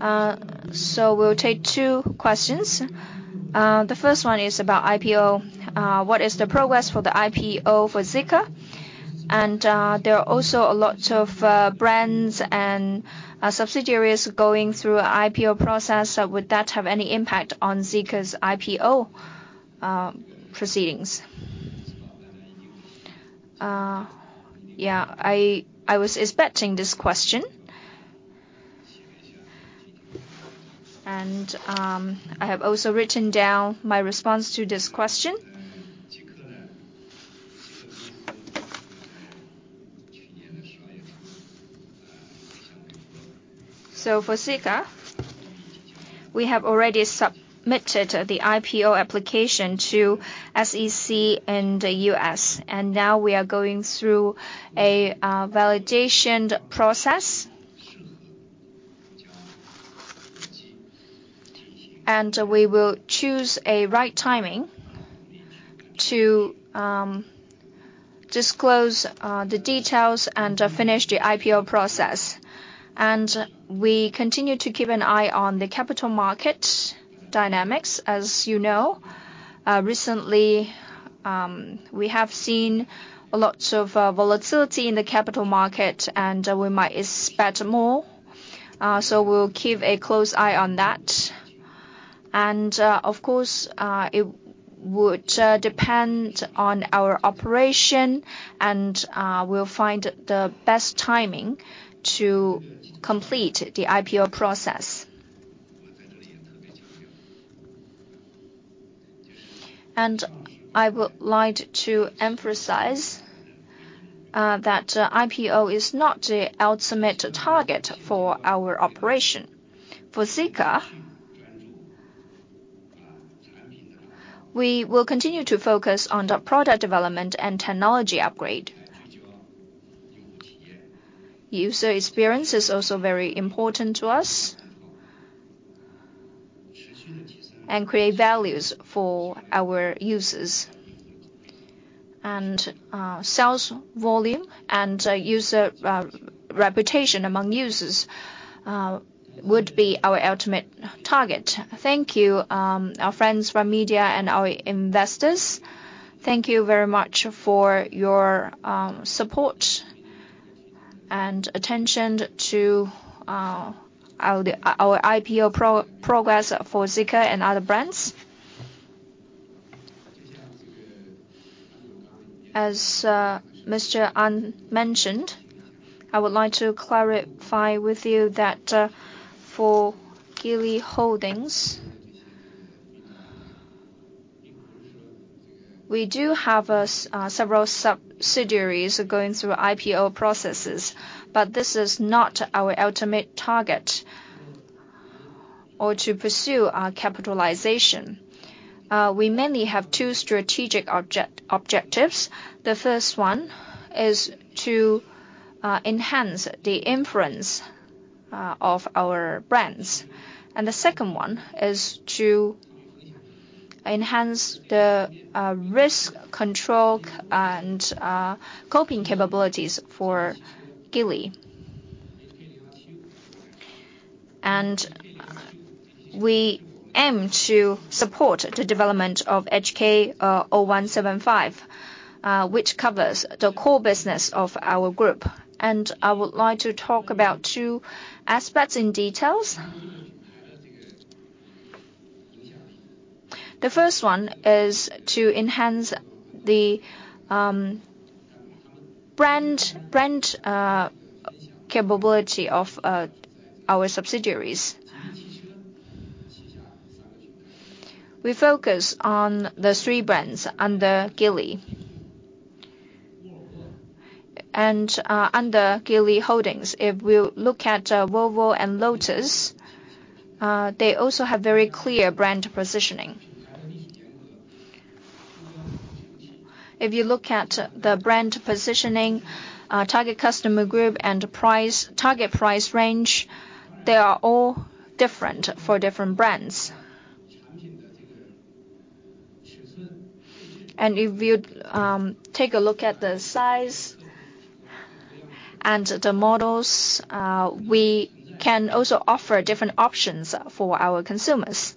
Speaker 1: We'll take two questions. The first one is about IPO. What is the progress for the IPO for Zeekr? There are also a lot of brands and subsidiaries going through IPO process. Would that have any impact on Zeekr's IPO proceedings?
Speaker 2: Yeah, I was expecting this question. I have also written down my response to this question. For Zeekr, we have already submitted the IPO application to SEC in the U.S., and now we are going through a validation process. We will choose a right timing to disclose the details and finish the IPO process. We continue to keep an eye on the capital market dynamics. As you know, recently, we have seen a lot of volatility in the capital market and we might expect more. We'll keep a close eye on that. Of course, it would depend on our operation and we'll find the best timing to complete the IPO process. I would like to emphasize that IPO is not the ultimate target for our operation. For Zeekr, we will continue to focus on the product development and technology upgrade. User experience is also very important to us. Create values for our users. Sales volume and user reputation among users would be our ultimate target. Thank you, our friends from media and our investors. Thank you very much for your support and attention to our IPO progress for Zeekr and other brands. As Mr. An mentioned, I would like to clarify with you that for Geely Holdings, we do have several subsidiaries going through IPO processes, but this is not our ultimate target or to pursue our capitalization. We mainly have two strategic objectives. The first one is to enhance the influence of our brands. The second one is to enhance the risk control and coping capabilities for Geely. We aim to support the development of HK 0175, which covers the core business of our group. I would like to talk about two aspects in details. The first one is to enhance the brand capability of our subsidiaries. We focus on the three brands under Geely and under Geely Holdings. If we look at, Volvo and Lotus, they also have very clear brand positioning. If you look at the brand positioning, target customer group and price, target price range, they are all different for different brands. If you, take a look at the size and the models, we can also offer different options for our consumers.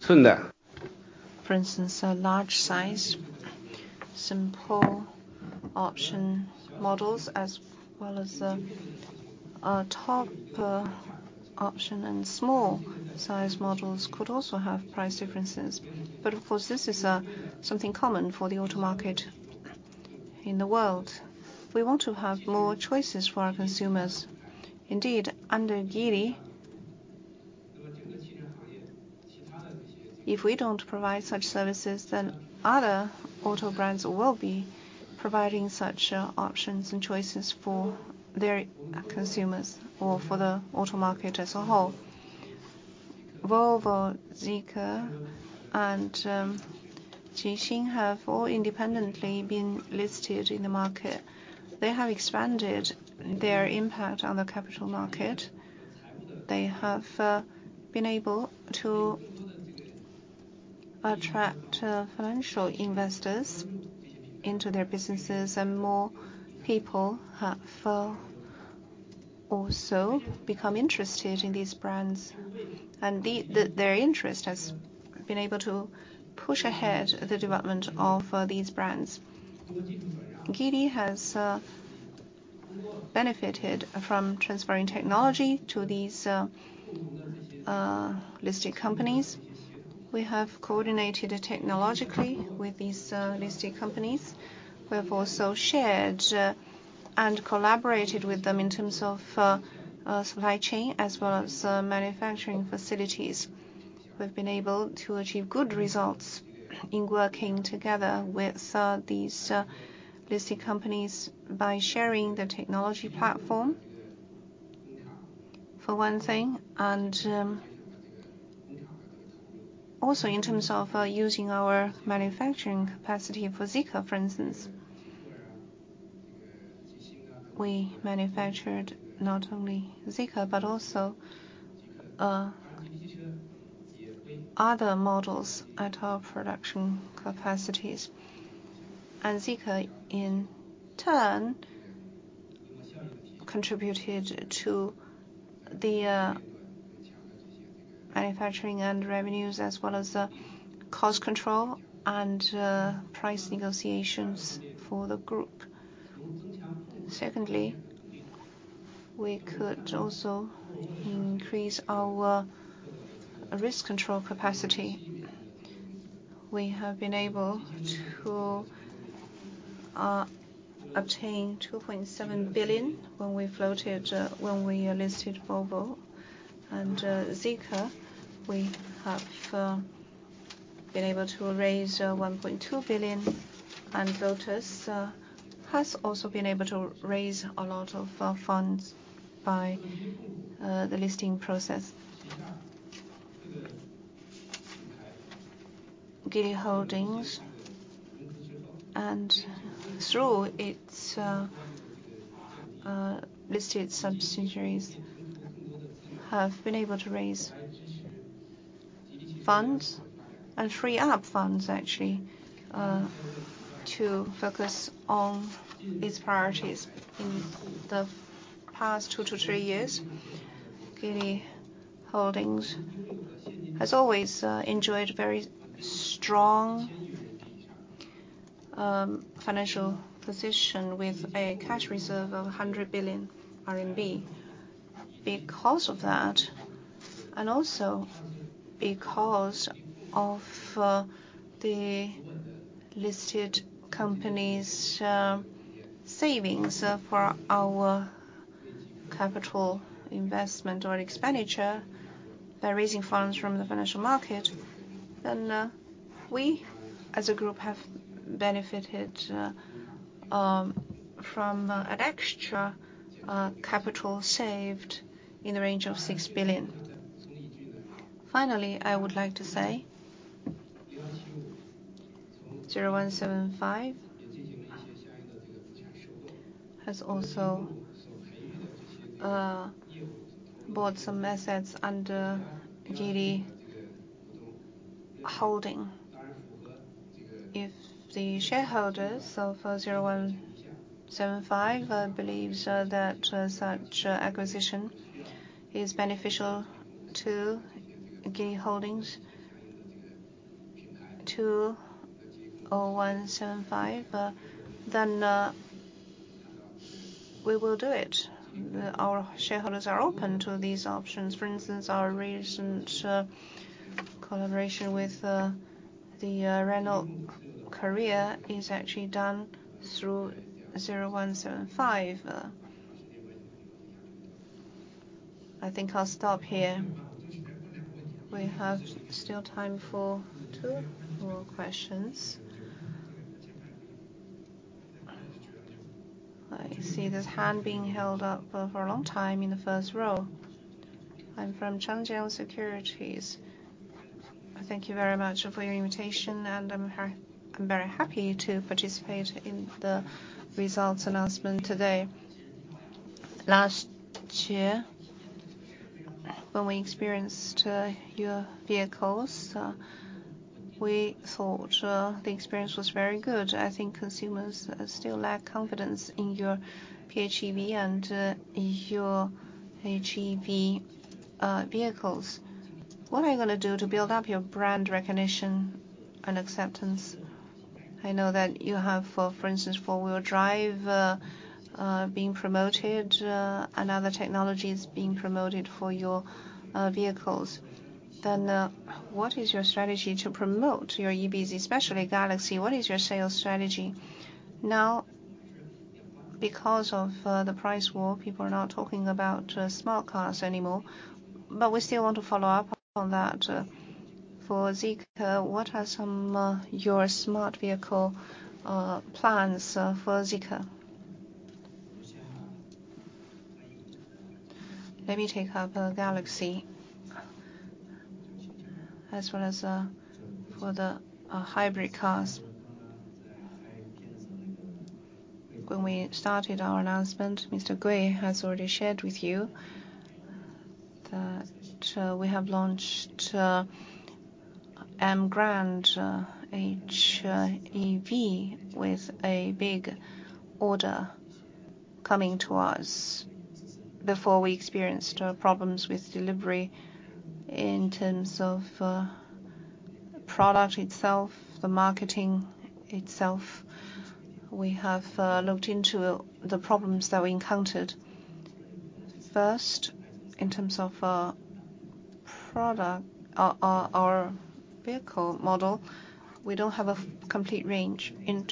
Speaker 2: For instance, a large size. Simple option models as well as, a top option and small size models could also have price differences. Of course, this is something common for the auto market in the world. We want to have more choices for our consumers. Indeed, under Geely, if we don't provide such services, then other auto brands will be providing such options and choices for their consumers or for the auto market as a whole. Volvo, Zeekr, and Xingyue have all independently been listed in the market. They have expanded their impact on the capital market. They have been able to attract financial investors into their businesses, their interest has been able to push ahead the development of these brands. Geely has benefited from transferring technology to these listed companies. We have coordinated technologically with these listed companies. We have also shared and collaborated with them in terms of supply chain as well as manufacturing facilities. We've been able to achieve good results in working together with these listed companies by sharing the technology platform for one thing, and also in terms of using our manufacturing capacity for Zeekr, for instance. We manufactured not only Zeekr, but also other models at our production capacities. Zeekr, in turn, contributed to the manufacturing and revenues as well as the cost control and price negotiations for the group. Secondly, we could also increase our risk control capacity. We have been able to obtain $2.7 billion when we floated when we listed Volvo. Zeekr, we have been able to raise 1.2 billion. Lotus has also been able to raise a lot of funds by the listing process. Geely Holdings, and through its listed subsidiaries, have been able to raise funds and free up funds actually to focus on its priorities. In the past 2-3 years, Geely Holdings has always enjoyed very strong financial position with a cash reserve of 100 billion RMB. Because of that, and also because of the listed companies, savings for our capital investment or expenditure by raising funds from the financial market, we as a group have benefited from an extra capital saved in the range of 6 billion. Finally, I would like to say 0175 has also bought some assets under Geely Holding. If the shareholders of 0175 believes that such acquisition is beneficial to Geely Holdings, to 0175, then we will do it. Our shareholders are open to these options. For instance, our recent collaboration with the Renault Korea Motors is actually done through 0175. I think I'll stop here.
Speaker 1: We have still time for two more questions. I see this hand being held up for a long time in the first row.
Speaker 12: I'm from Changjiang Securities. Thank you very much for your invitation, and I'm very happy to participate in the results announcement today. Last year, when we experienced your vehicles, we thought the experience was very good. I think consumers still lack confidence in your PHEV and your HEV vehicles. What are you gonna do to build up your brand recognition and acceptance? I know that you have, for instance, four-wheel drive being promoted, and other technologies being promoted for your vehicles. What is your strategy to promote your EVs, especially Galaxy? What is your sales strategy? Because of the price war, people are not talking about smart cars anymore, but we still want to follow up on that. For Zeekr, what are some your smart vehicle plans for Zeekr?
Speaker 2: Let me take up Galaxy as well as for the hybrid cars. When we started our announcement, Mr. Gui has already shared with you that we have launched Emgrand HEV with a big order coming to us before we experienced problems with delivery. In terms of product itself, the marketing itself, we have looked into the problems that we encountered. First, in terms of our vehicle model, we don't have a complete range in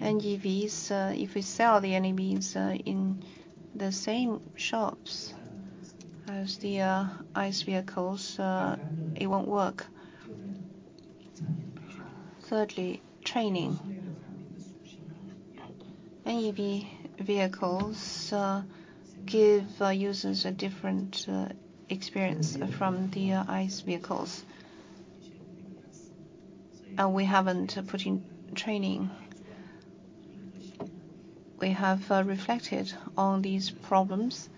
Speaker 2: terms of the NEVs. If we sell the NEVs in the same shops as the ICE vehicles, it won't work. Thirdly, training. NEV vehicles give users a different experience from the ICE vehicles, and we haven't put in training. We have reflected on these problems.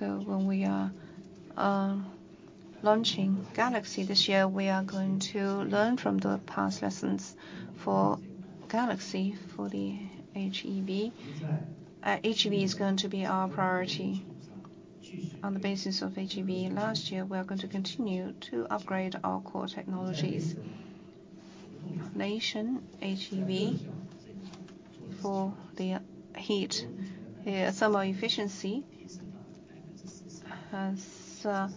Speaker 2: When we are launching Galaxy this year, we are going to learn from the past lessons for Galaxy, for the HEV. HEV is going to be our priority. On the basis of HEV last year, we are going to continue to upgrade our core technologies. Nation HEV for the heat. Thermal efficiency has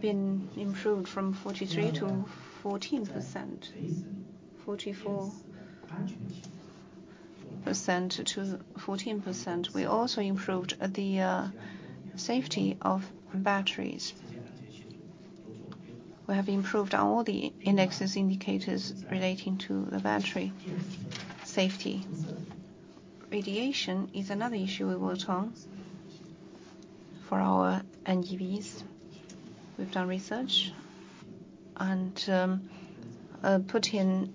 Speaker 2: been improved from 43% to 14%. 44% to 14%. We also improved the safety of batteries. We have improved on all the indexes, indicators relating to the battery safety. Radiation is another issue we worked on for our NEVs. We've done research and put in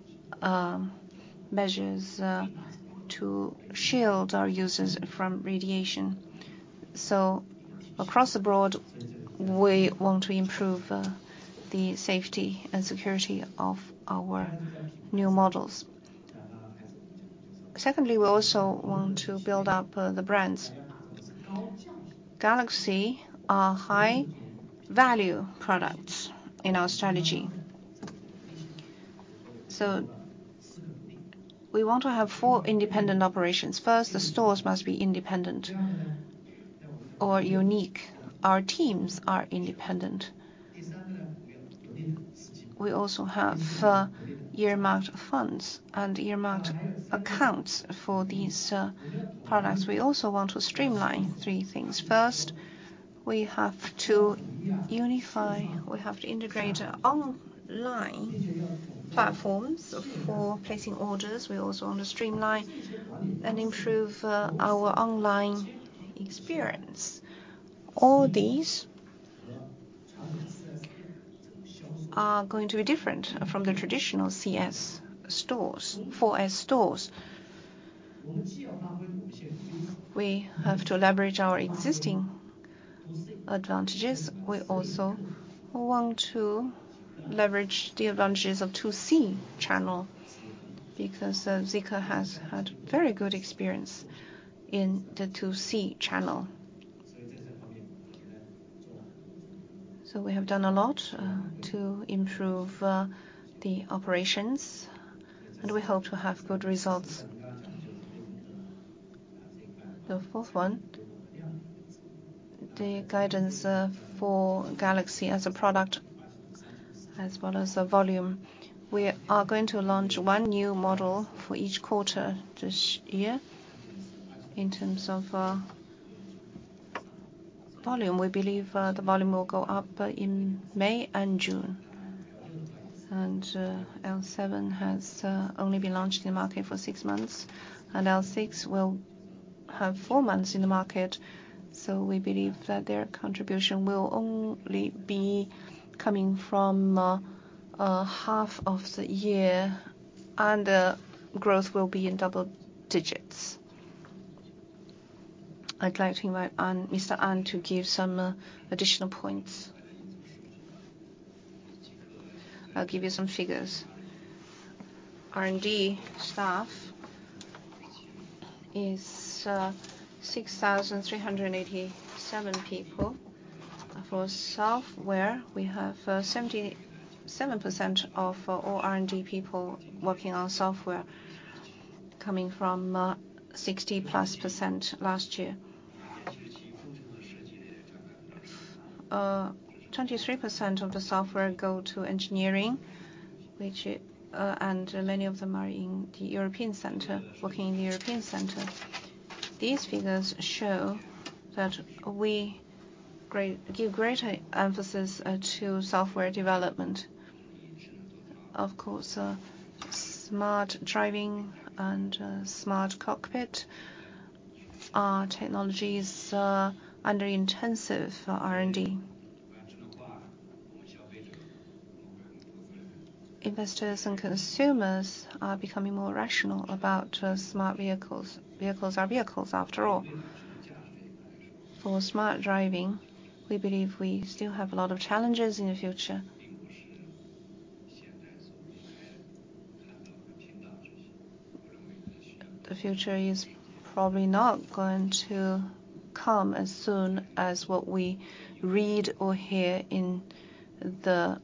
Speaker 2: measures to shield our users from radiation. Across the board, we want to improve the safety and security of our new models. Secondly, we also want to build up the brands. Galaxy are high-value products in our strategy. We want to have four independent operations. First, the stores must be independent or unique. Our teams are independent. We also have earmarked funds and earmarked accounts for these products. We also want to streamline three things. First, we have to unify. We have to integrate our online platforms for placing orders. We also want to streamline and improve our online experience. All these are going to be different from the traditional 3S stores, 4S stores. We have to leverage our existing advantages. We also want to leverage the advantages of 2C channel because Zeekr has had very good experience in the 2C channel. We have done a lot to improve the operations, and we hope to have good results. The fourth one, the guidance for Galaxy as a product, as well as the volume. We are going to launch one new model for each quarter this year. In terms of volume, we believe the volume will go up in May and June. L7 has only been launched in the market for six months, and L6 will have 4 months in the market. We believe that their contribution will only be coming from half of the year, and the growth will be in double digits. I'd like to invite An, Mr. An, to give some additional points. I'll give you some figures. R&D staff is 6,387 people. For software, we have 77% of all R&D people working on software coming from 60%+ last year. 23% of the software go to engineering, which, and many of them are in the European center, working in the European center. These figures show that we give greater emphasis to software development. Of course, smart driving and smart cockpit are technologies under intensive R&D. Investors and consumers are becoming more rational about smart vehicles. Vehicles are vehicles, after all. For smart driving, we believe we still have a lot of challenges in the future. The future is probably not going to come as soon as what we read or hear in the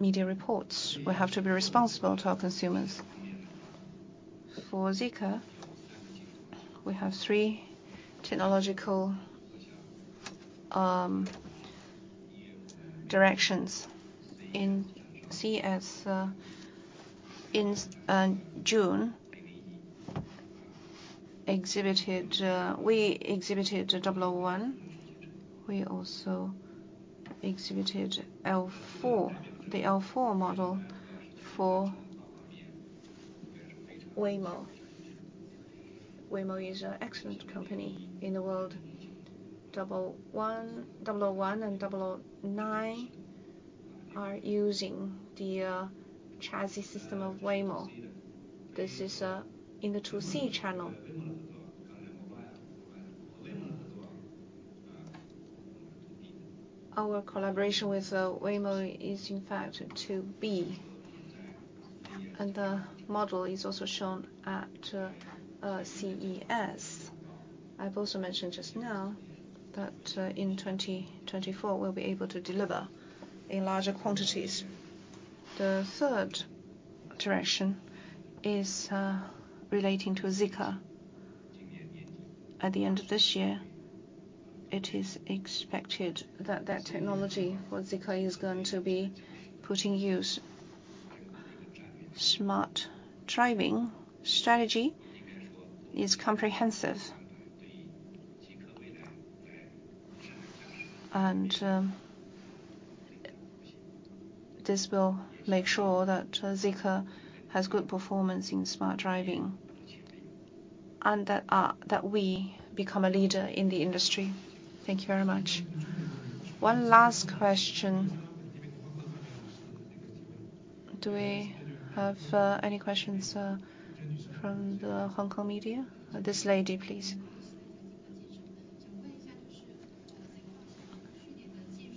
Speaker 2: media reports. We have to be responsible to our consumers. For Zeekr, we have three technological directions. In CES, in June exhibited, we exhibited 001. We also exhibited L4, the L4 model for Waymo. Waymo is an excellent company in the world. 001 and 009 are using the chassis system of Waymo. This is in the 2C channel. Our collaboration with Waymo is in fact 2B. The model is also shown at CES. I've also mentioned just now that in 2024 we'll be able to deliver in larger quantities. The third direction is relating to Zeekr. At the end of this year, it is expected that technology for Zeekr is going to be put in use. Smart driving strategy is comprehensive. This will make sure that Zeekr has good performance in smart driving and that we become a leader in the industry. Thank you very much.
Speaker 1: One last question. Do we have any questions from the Hong Kong media? This lady, please.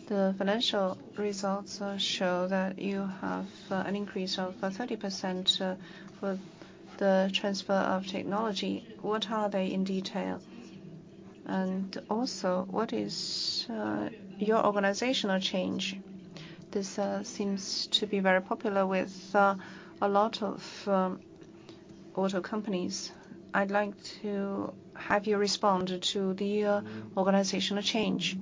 Speaker 13: The financial results show that you have an increase of 30% for the transfer of technology. What are they in detail? What is your organizational change?
Speaker 2: This seems to be very popular with a lot of auto companies. I'd like to have you respond to the organizational change.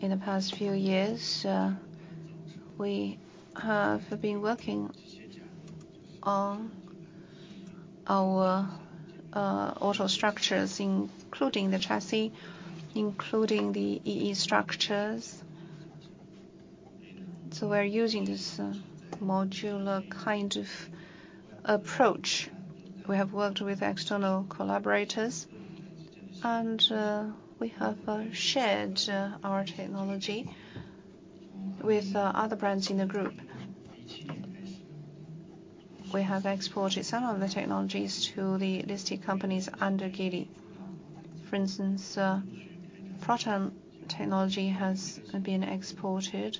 Speaker 2: In the past few years, we have been working on our auto structures, including the chassis, including the E/E structures. We're using this modular kind of approach. We have worked with external collaborators, and we have shared our technology with other brands in the group. We have exported some of the technologies to the listed companies under Geely. For instance, Proton technology has been exported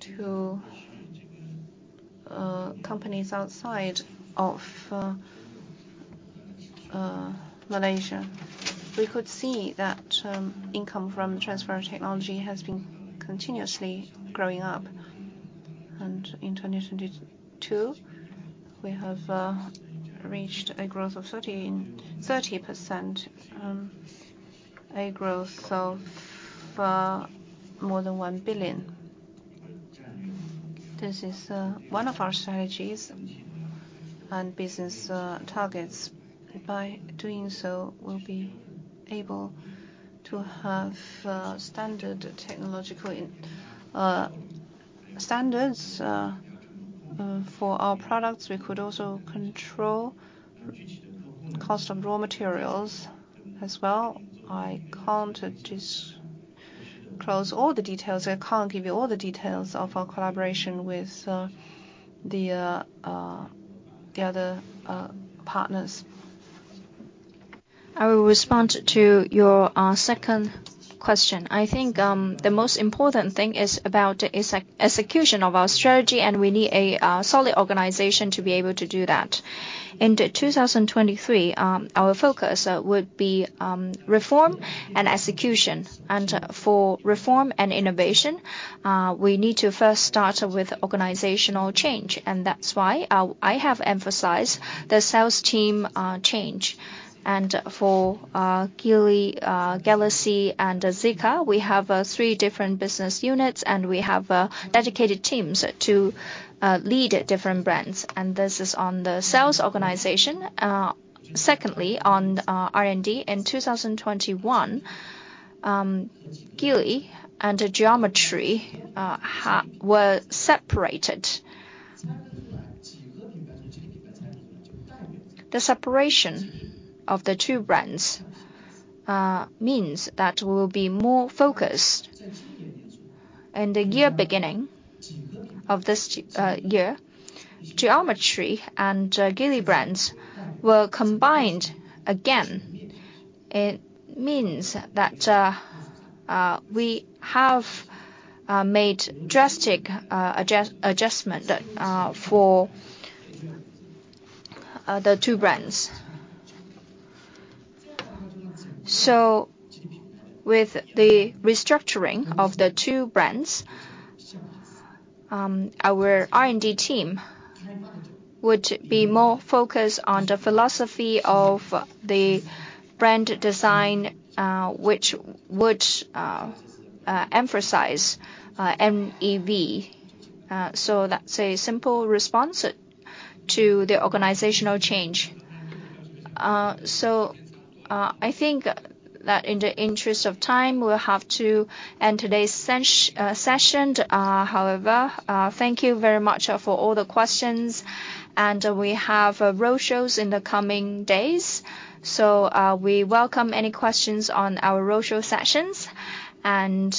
Speaker 2: to companies outside of Malaysia. We could see that income from transfer of technology has been continuously growing up. In 2022, we have reached a growth of 30%, a growth of more than 1 billion. This is one of our strategies and business targets. By doing so, we'll be able to have standard technological standards for our products. We could also control cost of raw materials as well. I can't disclose all the details. I can't give you all the details of our collaboration with the other partners.
Speaker 3: I will respond to your second question. I think the most important thing is about execution of our strategy, and we need a solid organization to be able to do that. In 2023, our focus will be reform and execution. For reform and innovation, we need to first start with organizational change, and that's why I have emphasized the sales team change. For Geely, Galaxy and Zeekr, we have three different business units and we have dedicated teams to lead different brands and this is on the sales organization. Secondly, on R&D, in 2021, Geely and Geometry were separated. The separation of the two brands means that we'll be more focused. In the year beginning of this year, Geometry and Geely brands were combined again. It means that we have made drastic adjustment for the two brands. With the restructuring of the two brands, our R&D team would be more focused on the philosophy of the brand design, which would emphasize MEV. That's a simple response to the organizational change. I think that in the interest of time, we'll have to end today's session. However, thank you very much for all the questions, and we have roadshows in the coming days. We welcome any questions on our roadshow sessions and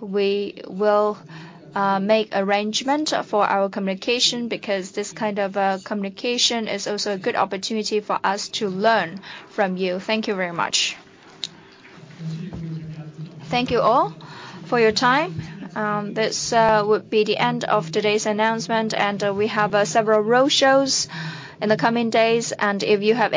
Speaker 3: we will make arrangement for our communication because this kind of communication is also a good opportunity for us to learn from you. Thank you very much.
Speaker 1: Thank you all for your time. This will be the end of today's announcement, and we have several roadshows in the coming days, and if you have any.